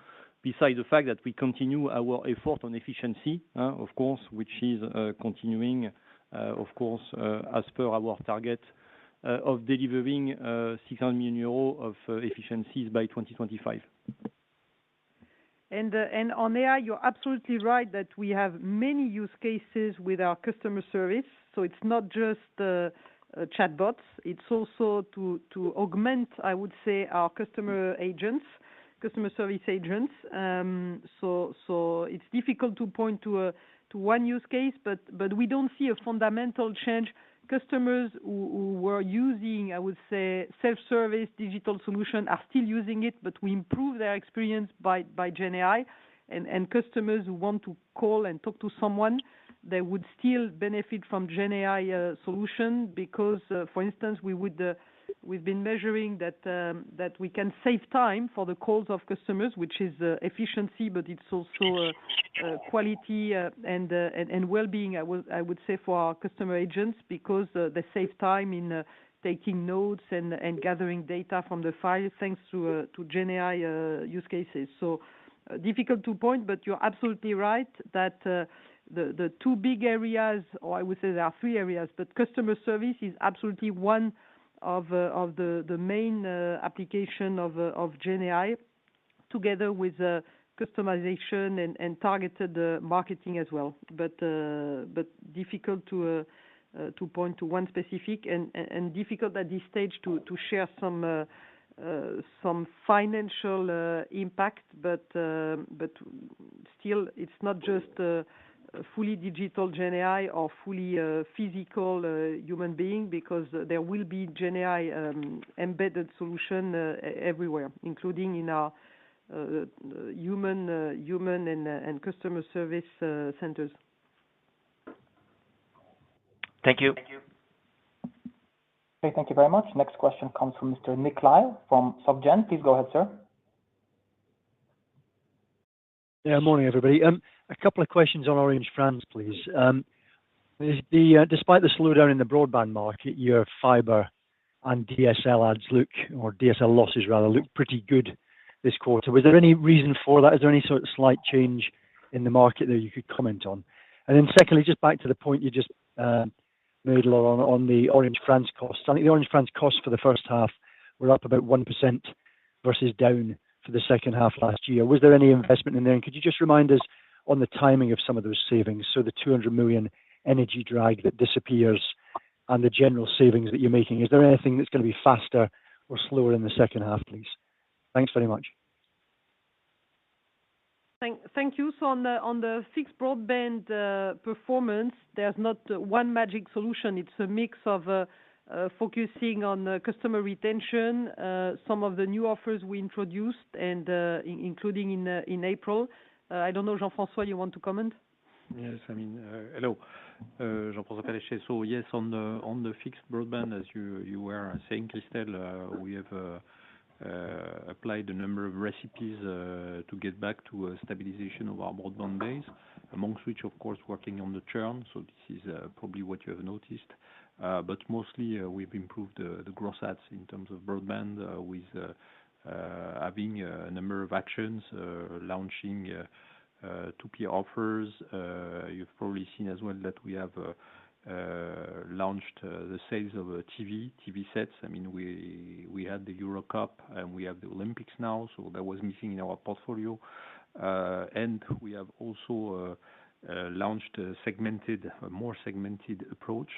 beside the fact that we continue our effort on efficiency, of course, which is continuing, of course, as per our target of delivering 600 million euros of efficiencies by 2025. On AI, you're absolutely right that we have many use cases with our customer service, so it's not just chatbots, it's also to augment, I would say, our customer agents, customer service agents. So it's difficult to point to one use case, but we don't see a fundamental change. Customers who were using, I would say, self-service digital solution are still using it, but we improve their experience by GenAI. Customers who want to call and talk to someone, they would still benefit from GenAI solution because, for instance, we've been measuring that we can save time for the calls of customers, which is efficiency, but it's also quality and well-being, I would say, for our customer agents because they save time in taking notes and gathering data from the files, thanks to GenAI use cases. So, difficult to point, but you're absolutely right that the two big areas, or I would say there are three areas, but customer service is absolutely one of the main application of GenAI, together with customization and targeted marketing as well. But difficult to point to one specific and difficult at this stage to share some financial impact. But still, it's not just fully digital GenAI or fully physical human being, because there will be GenAI embedded solution everywhere, including in our human and customer service centers. Thank you. Okay, thank you very much. Next question comes from Mr. Nick Lyall from SocGen. Please go ahead, sir. Yeah, morning, everybody. A couple of questions on Orange France, please. Is the—despite the slowdown in the broadband market, your fiber and DSL adds look or DSL losses rather, look pretty good this quarter. Was there any reason for that? Is there any sort of slight change in the market that you could comment on? And then secondly, just back to the point you just made on the Orange France costs. I think the Orange France costs for the first half were up about 1% versus down for the second half last year. Was there any investment in there? And could you just remind us on the timing of some of those savings? So the 200 million energy drag that disappears and the general savings that you're making, is there anything that's gonna be faster or slower in the second half, please? Thanks very much. Thank you. So on the fixed broadband performance, there's not one magic solution. It's a mix of focusing on customer retention, some of the new offers we introduced, including in April. I don't know, Jean-François, you want to comment? Yes, I mean, hello. Jean-François Fallacher. So, yes, on the fixed broadband, as you were saying, Christel, we have applied a number of recipes to get back to a stabilization of our broadband base, amongst which, of course, working on the churn. So this is probably what you have noticed. But mostly, we've improved the gross adds in terms of broadband with having a number of actions, launching two key offers. You've probably seen as well that we have launched the sales of TV sets. I mean, we had the Euro Cup, and we have the Olympics now, so that was missing in our portfolio. And we have also launched a segmented, a more segmented approach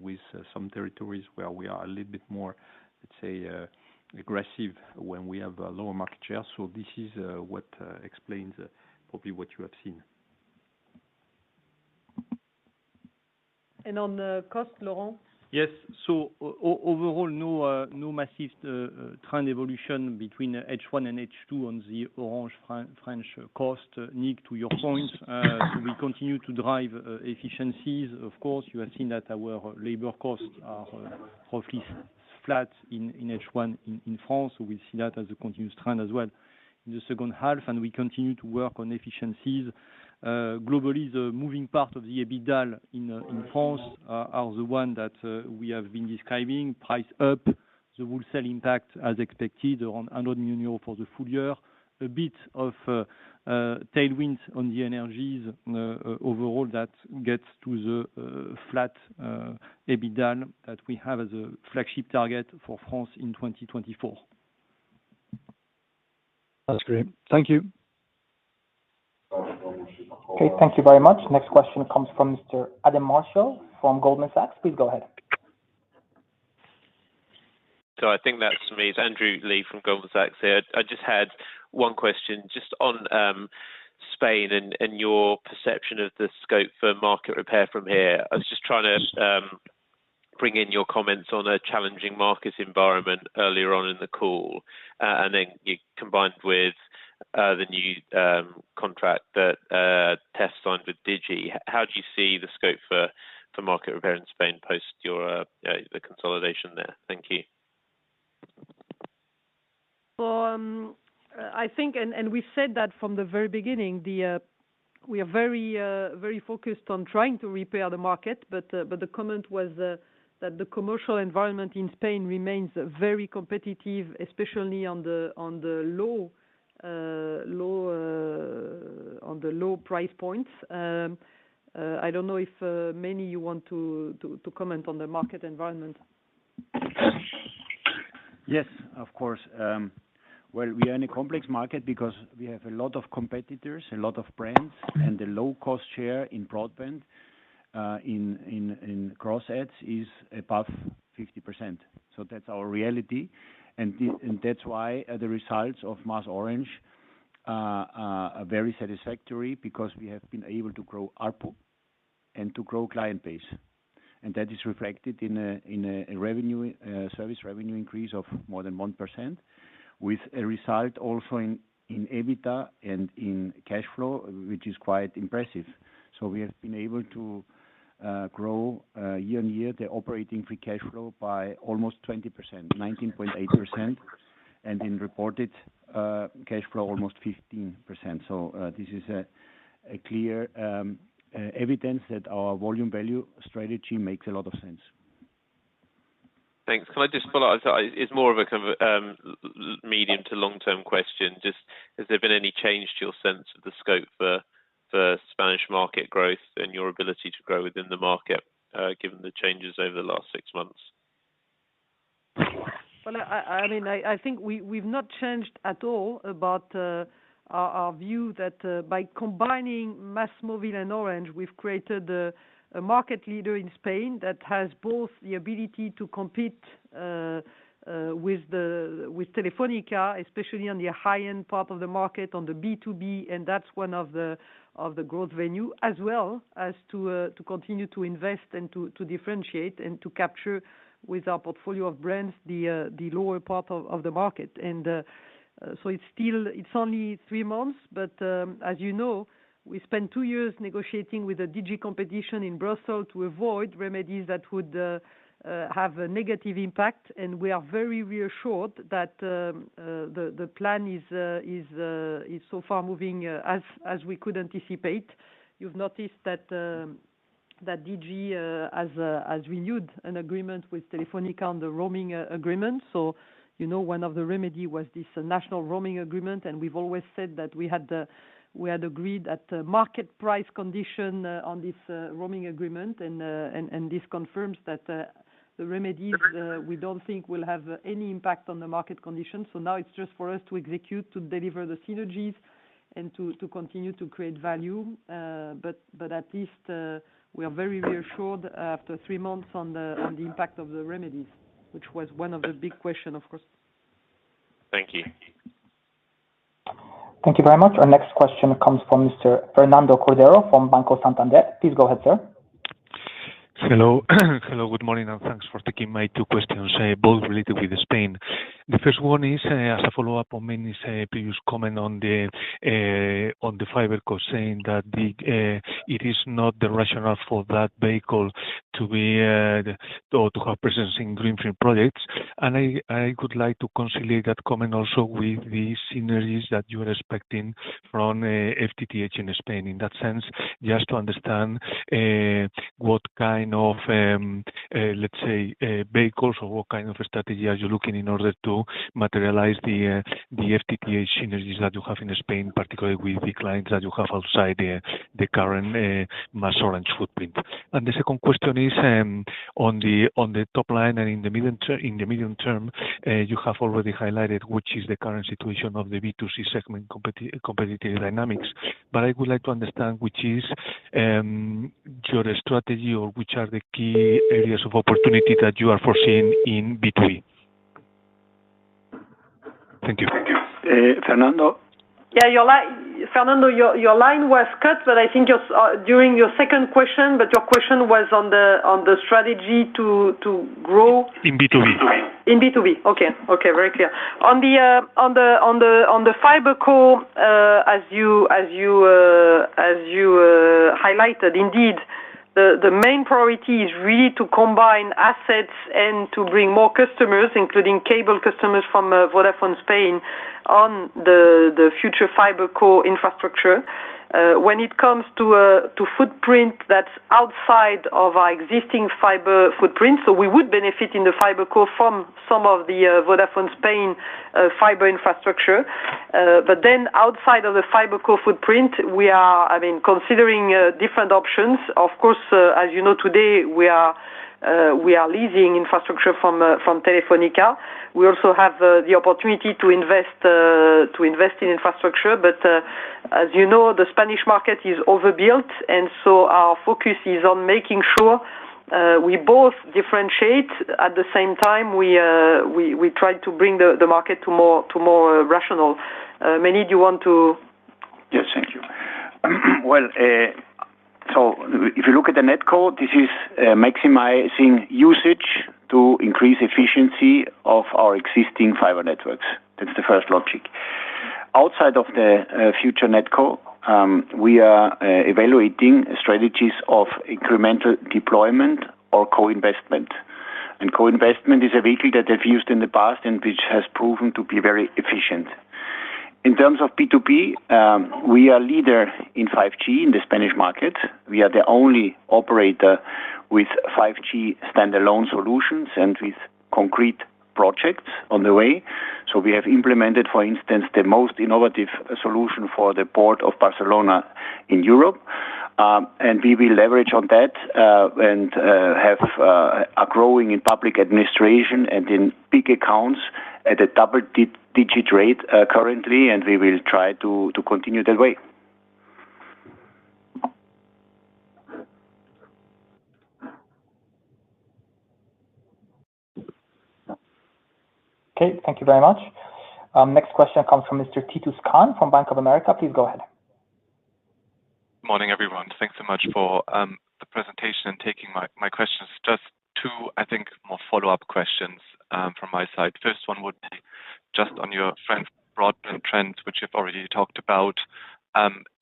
with some territories where we are a little bit more, let's say, aggressive when we have a lower market share. So this is what explains probably what you have seen. On the cost, Laurent? Yes. So overall, no massive trend evolution between H1 and H2 on the Orange France cost. Nick, to your point, we continue to drive efficiencies. Of course, you have seen that our labor costs are roughly flat in H1 in France, so we see that as a continuous trend as well. In the second half, and we continue to work on efficiencies. Globally, the moving part of the EBITDA in France are the one that we have been describing. Price up the wholesale impact as expected, around 100 million euros for the full year. A bit of tailwinds on the energies overall, that gets to the flat EBITDA that we have as a flagship target for France in 2024. That's great. Thank you. Okay, thank you very much. Next question comes from Mr. Adam Marshall from Goldman Sachs. Please go ahead. I think that's me. It's Andrew Lee from Goldman Sachs here. I just had one question just on Spain and your perception of the scope for market repair from here. I was just trying to bring in your comments on a challenging market environment earlier on in the call, and then combined with the new contract that they signed with Digi. How do you see the scope for market repair in Spain, post the consolidation there? Thank you. So, I think, and we've said that from the very beginning, we are very, very focused on trying to repair the market, but the comment was that the commercial environment in Spain remains very competitive, especially on the low price points. I don't know if Meinrad, you want to comment on the market environment? Yes, of course. Well, we are in a complex market because we have a lot of competitors, a lot of brands, and the low-cost share in broadband in gross adds is above 50%. So that's our reality, and that's why the results of MasOrange are very satisfactory because we have been able to grow ARPU and to grow client base. And that is reflected in a service revenue increase of more than 1%, with a result also in EBITDA and in cash flow, which is quite impressive. So we have been able to grow year-on-year the operating free cash flow by almost 20%, 19.8%, and in reported cash flow, almost 15%. So this is a clear evidence that our volume value strategy makes a lot of sense. Thanks. Can I just follow-up? It's more of a kind of medium- to long-term question, just has there been any change to your sense of the scope for Spanish market growth and your ability to grow within the market, given the changes over the last 6 months? Well, I mean, I think we've not changed at all about our view that by combining MásMóvil and Orange, we've created a market leader in Spain that has both the ability to compete with Telefónica, especially on the high-end part of the market, on the B2B, and that's one of the growth avenues, as well as to continue to invest and to differentiate and to capture with our portfolio of brands the lower part of the market. So it's still, it's only three months, but, as you know, we spent two years negotiating with the DG Competition in Brussels to avoid remedies that would have a negative impact. We are very reassured that the plan is so far moving as we could anticipate. You've noticed that DG has renewed an agreement with Telefónica on the roaming agreement, so you know, one of the remedy was this national roaming agreement, and we've always said that we had agreed at the market price condition on this roaming agreement. And this confirms that the remedies we don't think will have any impact on the market conditions. So now it's just for us to execute, to deliver the synergies and to continue to create value. But at least, we are very reassured after three months on the impact of the remedies, which was one of the big question, of course. Thank you. Thank you very much. Our next question comes from Mr. Fernando Cordero from Banco Santander. Please go ahead, sir. Hello. Hello, good morning, and thanks for taking my two questions, both related with Spain. The first one is, as a follow-up on Meinrad's previous comment on the, on the FibreCo, saying that the, it is not the rationale for that vehicle to be, to, to have presence in greenfield projects. And I, I would like to conciliate that comment also with the synergies that you are expecting from, FTTH in Spain. In that sense, just to understand, what kind of, let's say, vehicles or what kind of a strategy are you looking in order to materialize the, the FTTH synergies that you have in Spain, particularly with the clients that you have outside the, the current, MasOrange footprint? The second question is, on the, on the top line and in the medium-term, in the medium-term, you have already highlighted, which is the current situation of the B2C segment competitive dynamics. But I would like to understand which is, your strategy or which are the key areas of opportunity that you are foreseeing in B2B? Thank you. Fernando? Yeah, your line was cut, but I think you're during your second question, but your question was on the strategy to grow? In B2B. In B2B. Okay. Okay, very clear. On the FibreCo, as you highlighted, indeed, the main priority is really to combine assets and to bring more customers, including cable customers from Vodafone Spain, on the future FibreCo infrastructure. When it comes to footprint, that's outside of our existing fiber footprint, so we would benefit in the FibreCo from some of the Vodafone Spain fiber infrastructure. But then outside of the FibreCo footprint, we are, I mean, considering different options. Of course, as you know, today we are leasing infrastructure from Telefonica. We also have the opportunity to invest to invest in infrastructure, but as you know, the Spanish market is overbuilt, and so our focus is on making sure we both differentiate. At the same time, we try to bring the market to more rational. Meinrad, do you want to? Yes, thank you. Well, so if you look at the NetCo, this is maximizing usage to increase efficiency of our existing fiber networks. That's the first logic. Outside of the future NetCo, we are evaluating strategies of incremental deployment or co-investment. And co-investment is a vehicle that we've used in the past and which has proven to be very efficient. In terms of B2B, we are leader in 5G in the Spanish market. We are the only operator with 5G standalone solutions and with concrete projects on the way. We have implemented, for instance, the most innovative solution for the Port of Barcelona in Europe. And we will leverage on that and have a growing in public administration and in big accounts at a double-digit rate, currently, and we will try to continue that way. Okay, thank you very much. Next question comes from Mr. Titus Krahn from Bank of America. Please go ahead. Morning, everyone. Thanks so much for the presentation and taking my questions. Just two, I think, more follow-up questions from my side. First one would be just on your France broadband trends, which you've already talked about.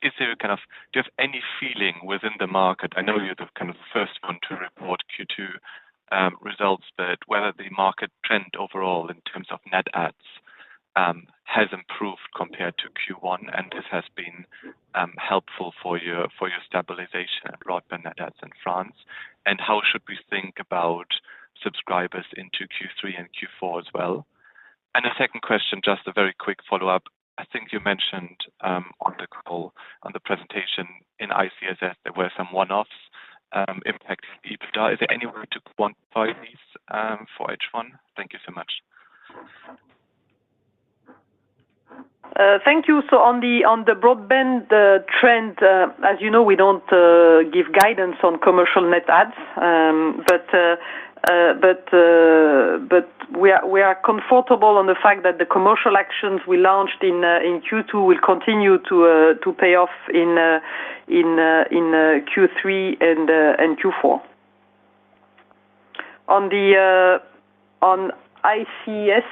Is there kind of, do you have any feeling within the market? I know you're the, kind of, first one to report Q2 results, but whether the market trend overall in terms of net adds has improved compared to Q1, and this has been helpful for your, for your stabilization and broadband net adds in France, and how should we think about subscribers into Q3 and Q4 as well? And the second question, just a very quick follow-up. I think you mentioned on the call, on the presentation in ICS, there were some one-offs impacts EBITDA. Is there any way to quantify these, for H1? Thank you so much. Thank you. So on the broadband trend, as you know, we don't give guidance on commercial net adds. But we are comfortable on the fact that the commercial actions we launched in Q2 will continue to pay off in Q3 and Q4. On the ICS,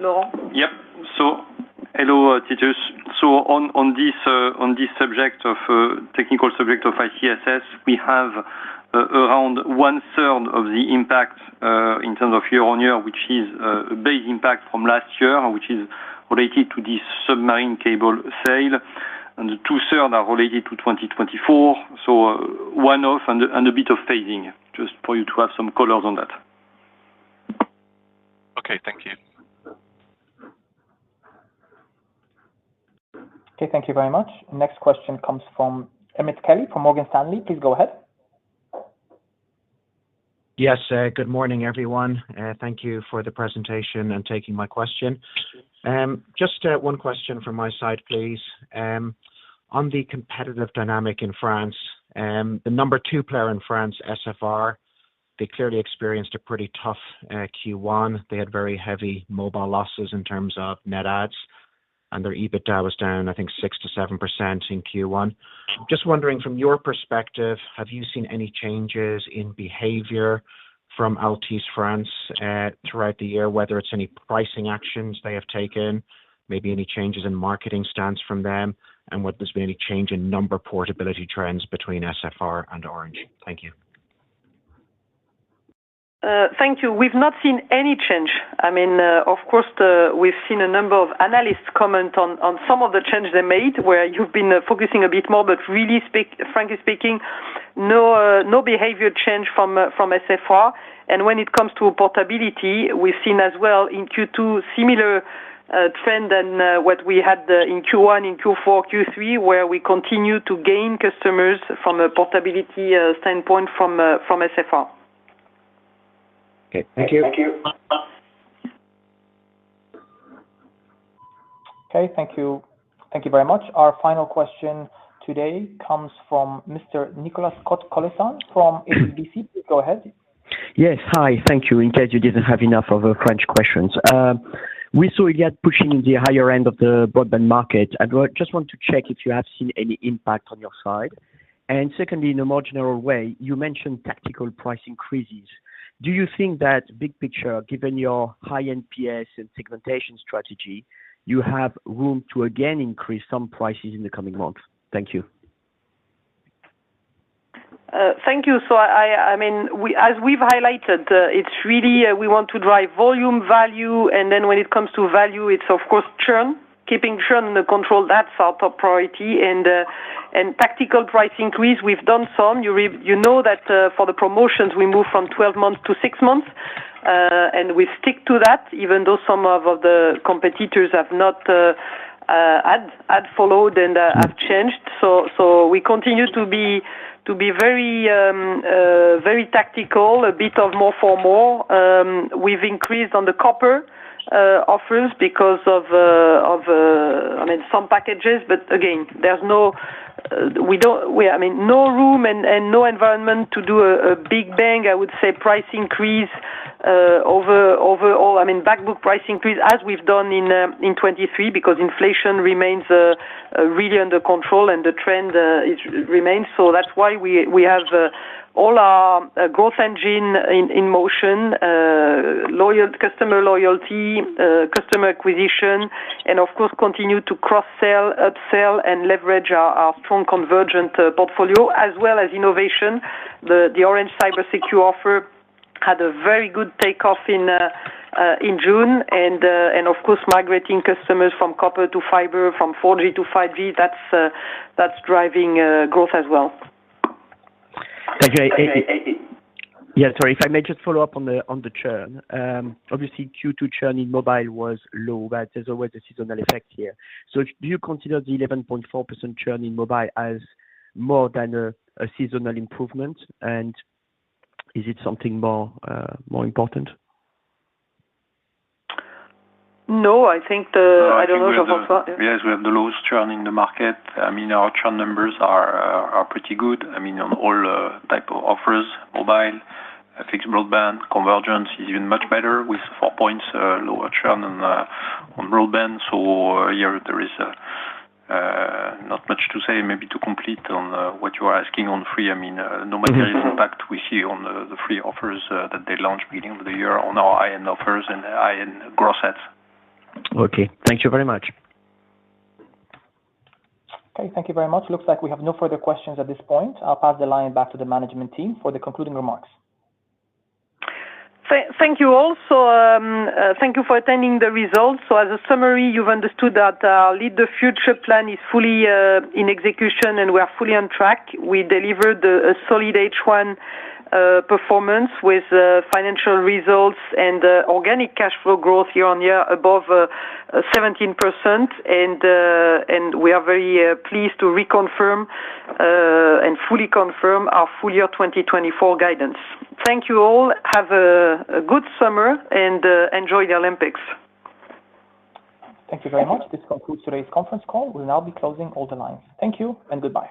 Laurent? Yep. So hello, Titus. So on this technical subject of ICSS, we have around one-third of the impact in terms of year-on-year, which is a big impact from last year, which is related to this submarine cable sale. And the two-third are related to 2024. So one-off and a bit of fading, just for you to have some colors on that. Okay, thank you. Okay, thank you very much. Next question comes from Emmett Kelly from Morgan Stanley. Please go ahead. Yes, good morning, everyone. Thank you for the presentation and taking my question. Just one question from my side, please. On the competitive dynamic in France, the number two player in France, SFR, they clearly experienced a pretty tough Q1. They had very heavy mobile losses in terms of net adds, and their EBITDA was down, I think, 6%-7% in Q1. Just wondering, from your perspective, have you seen any changes in behavior from Altice France throughout the year? Whether it's any pricing actions they have taken, maybe any changes in marketing stance from them, and whether there's been any change in number portability trends between SFR and Orange. Thank you. Thank you. We've not seen any change. I mean, of course, we've seen a number of analysts comment on some of the changes they made, where you've been focusing a bit more, but really frankly speaking, no behavior change from SFR. And when it comes to portability, we've seen as well in Q2, similar trend than what we had in Q1, in Q4, Q3, where we continue to gain customers from a portability standpoint from SFR. Okay, thank you. Thank you. Okay, thank you. Thank you very much. Our final question today comes from Mr. Nicolas Cote-Colisson from HSBC. Go ahead. Yes. Hi, thank you, in case you didn't have enough of, French questions. We saw you guys pushing in the higher end of the broadband market. I just want to check if you have seen any impact on your side. And secondly, in a more general way, you mentioned tactical price increases. Do you think that big picture, given your high NPS and segmentation strategy, you have room to again increase some prices in the coming months? Thank you. Thank you. So, I mean, as we've highlighted, it's really we want to drive volume, value, and then when it comes to value, it's of course churn. Keeping churn under control, that's our top priority. And tactical price increase, we've done some. You know that, for the promotions, we moved from 12 months to 6 months, and we stick to that, even though some of the competitors have not followed and have changed. So we continue to be very tactical, a bit of more for more. We've increased on the copper offers because of, I mean, some packages, but again, there's no, I mean, no room and no environment to do a big bang, I would say, price increase overall. I mean, back book price increase, as we've done in 2023, because inflation remains really under control and the trend it remains. So that's why we have all our growth engine in motion, customer loyalty, customer acquisition, and of course, continue to cross-sell, up-sell, and leverage our strong convergent portfolio, as well as innovation. The Orange Cybersecure offer had a very good takeoff in June, and of course, migrating customers from copper to fiber, from 4G to 5G, that's driving growth as well. Thank you. Yeah, sorry, if I may just follow-up on the churn. Obviously, Q2 churn in mobile was low, but there's always a seasonal effect here. So do you consider the 11.4% churn in mobile as more than a seasonal improvement? And is it something more, more important? No, I think the... I don't know the- Yes, we have the lowest churn in the market. I mean, our churn numbers are pretty good. I mean, on all type of offers, mobile, fixed broadband, convergence is even much better with 4 points lower churn on broadband. So here there is not much to say, maybe to complete on what you are asking on Free. I mean, no material impact we see on the Free offers that they launched beginning of the year on our high-end offers and high-end growth sets. Okay. Thank you very much. Okay, thank you very much. Looks like we have no further questions at this point. I'll pass the line back to the management team for the concluding remarks. Thank you all. So, thank you for attending the results. So as a summary, you've understood that, Lead the Future plan is fully in execution, and we are fully on track. We delivered a solid H1 performance with financial results and organic cash flow growth year-on-year above 17%. And we are very pleased to reconfirm and fully confirm our full year 2024 guidance. Thank you all. Have a good summer, and enjoy the Olympics. Thank you very much. This concludes today's conference call. We'll now be closing all the lines. Thank you and goodbye.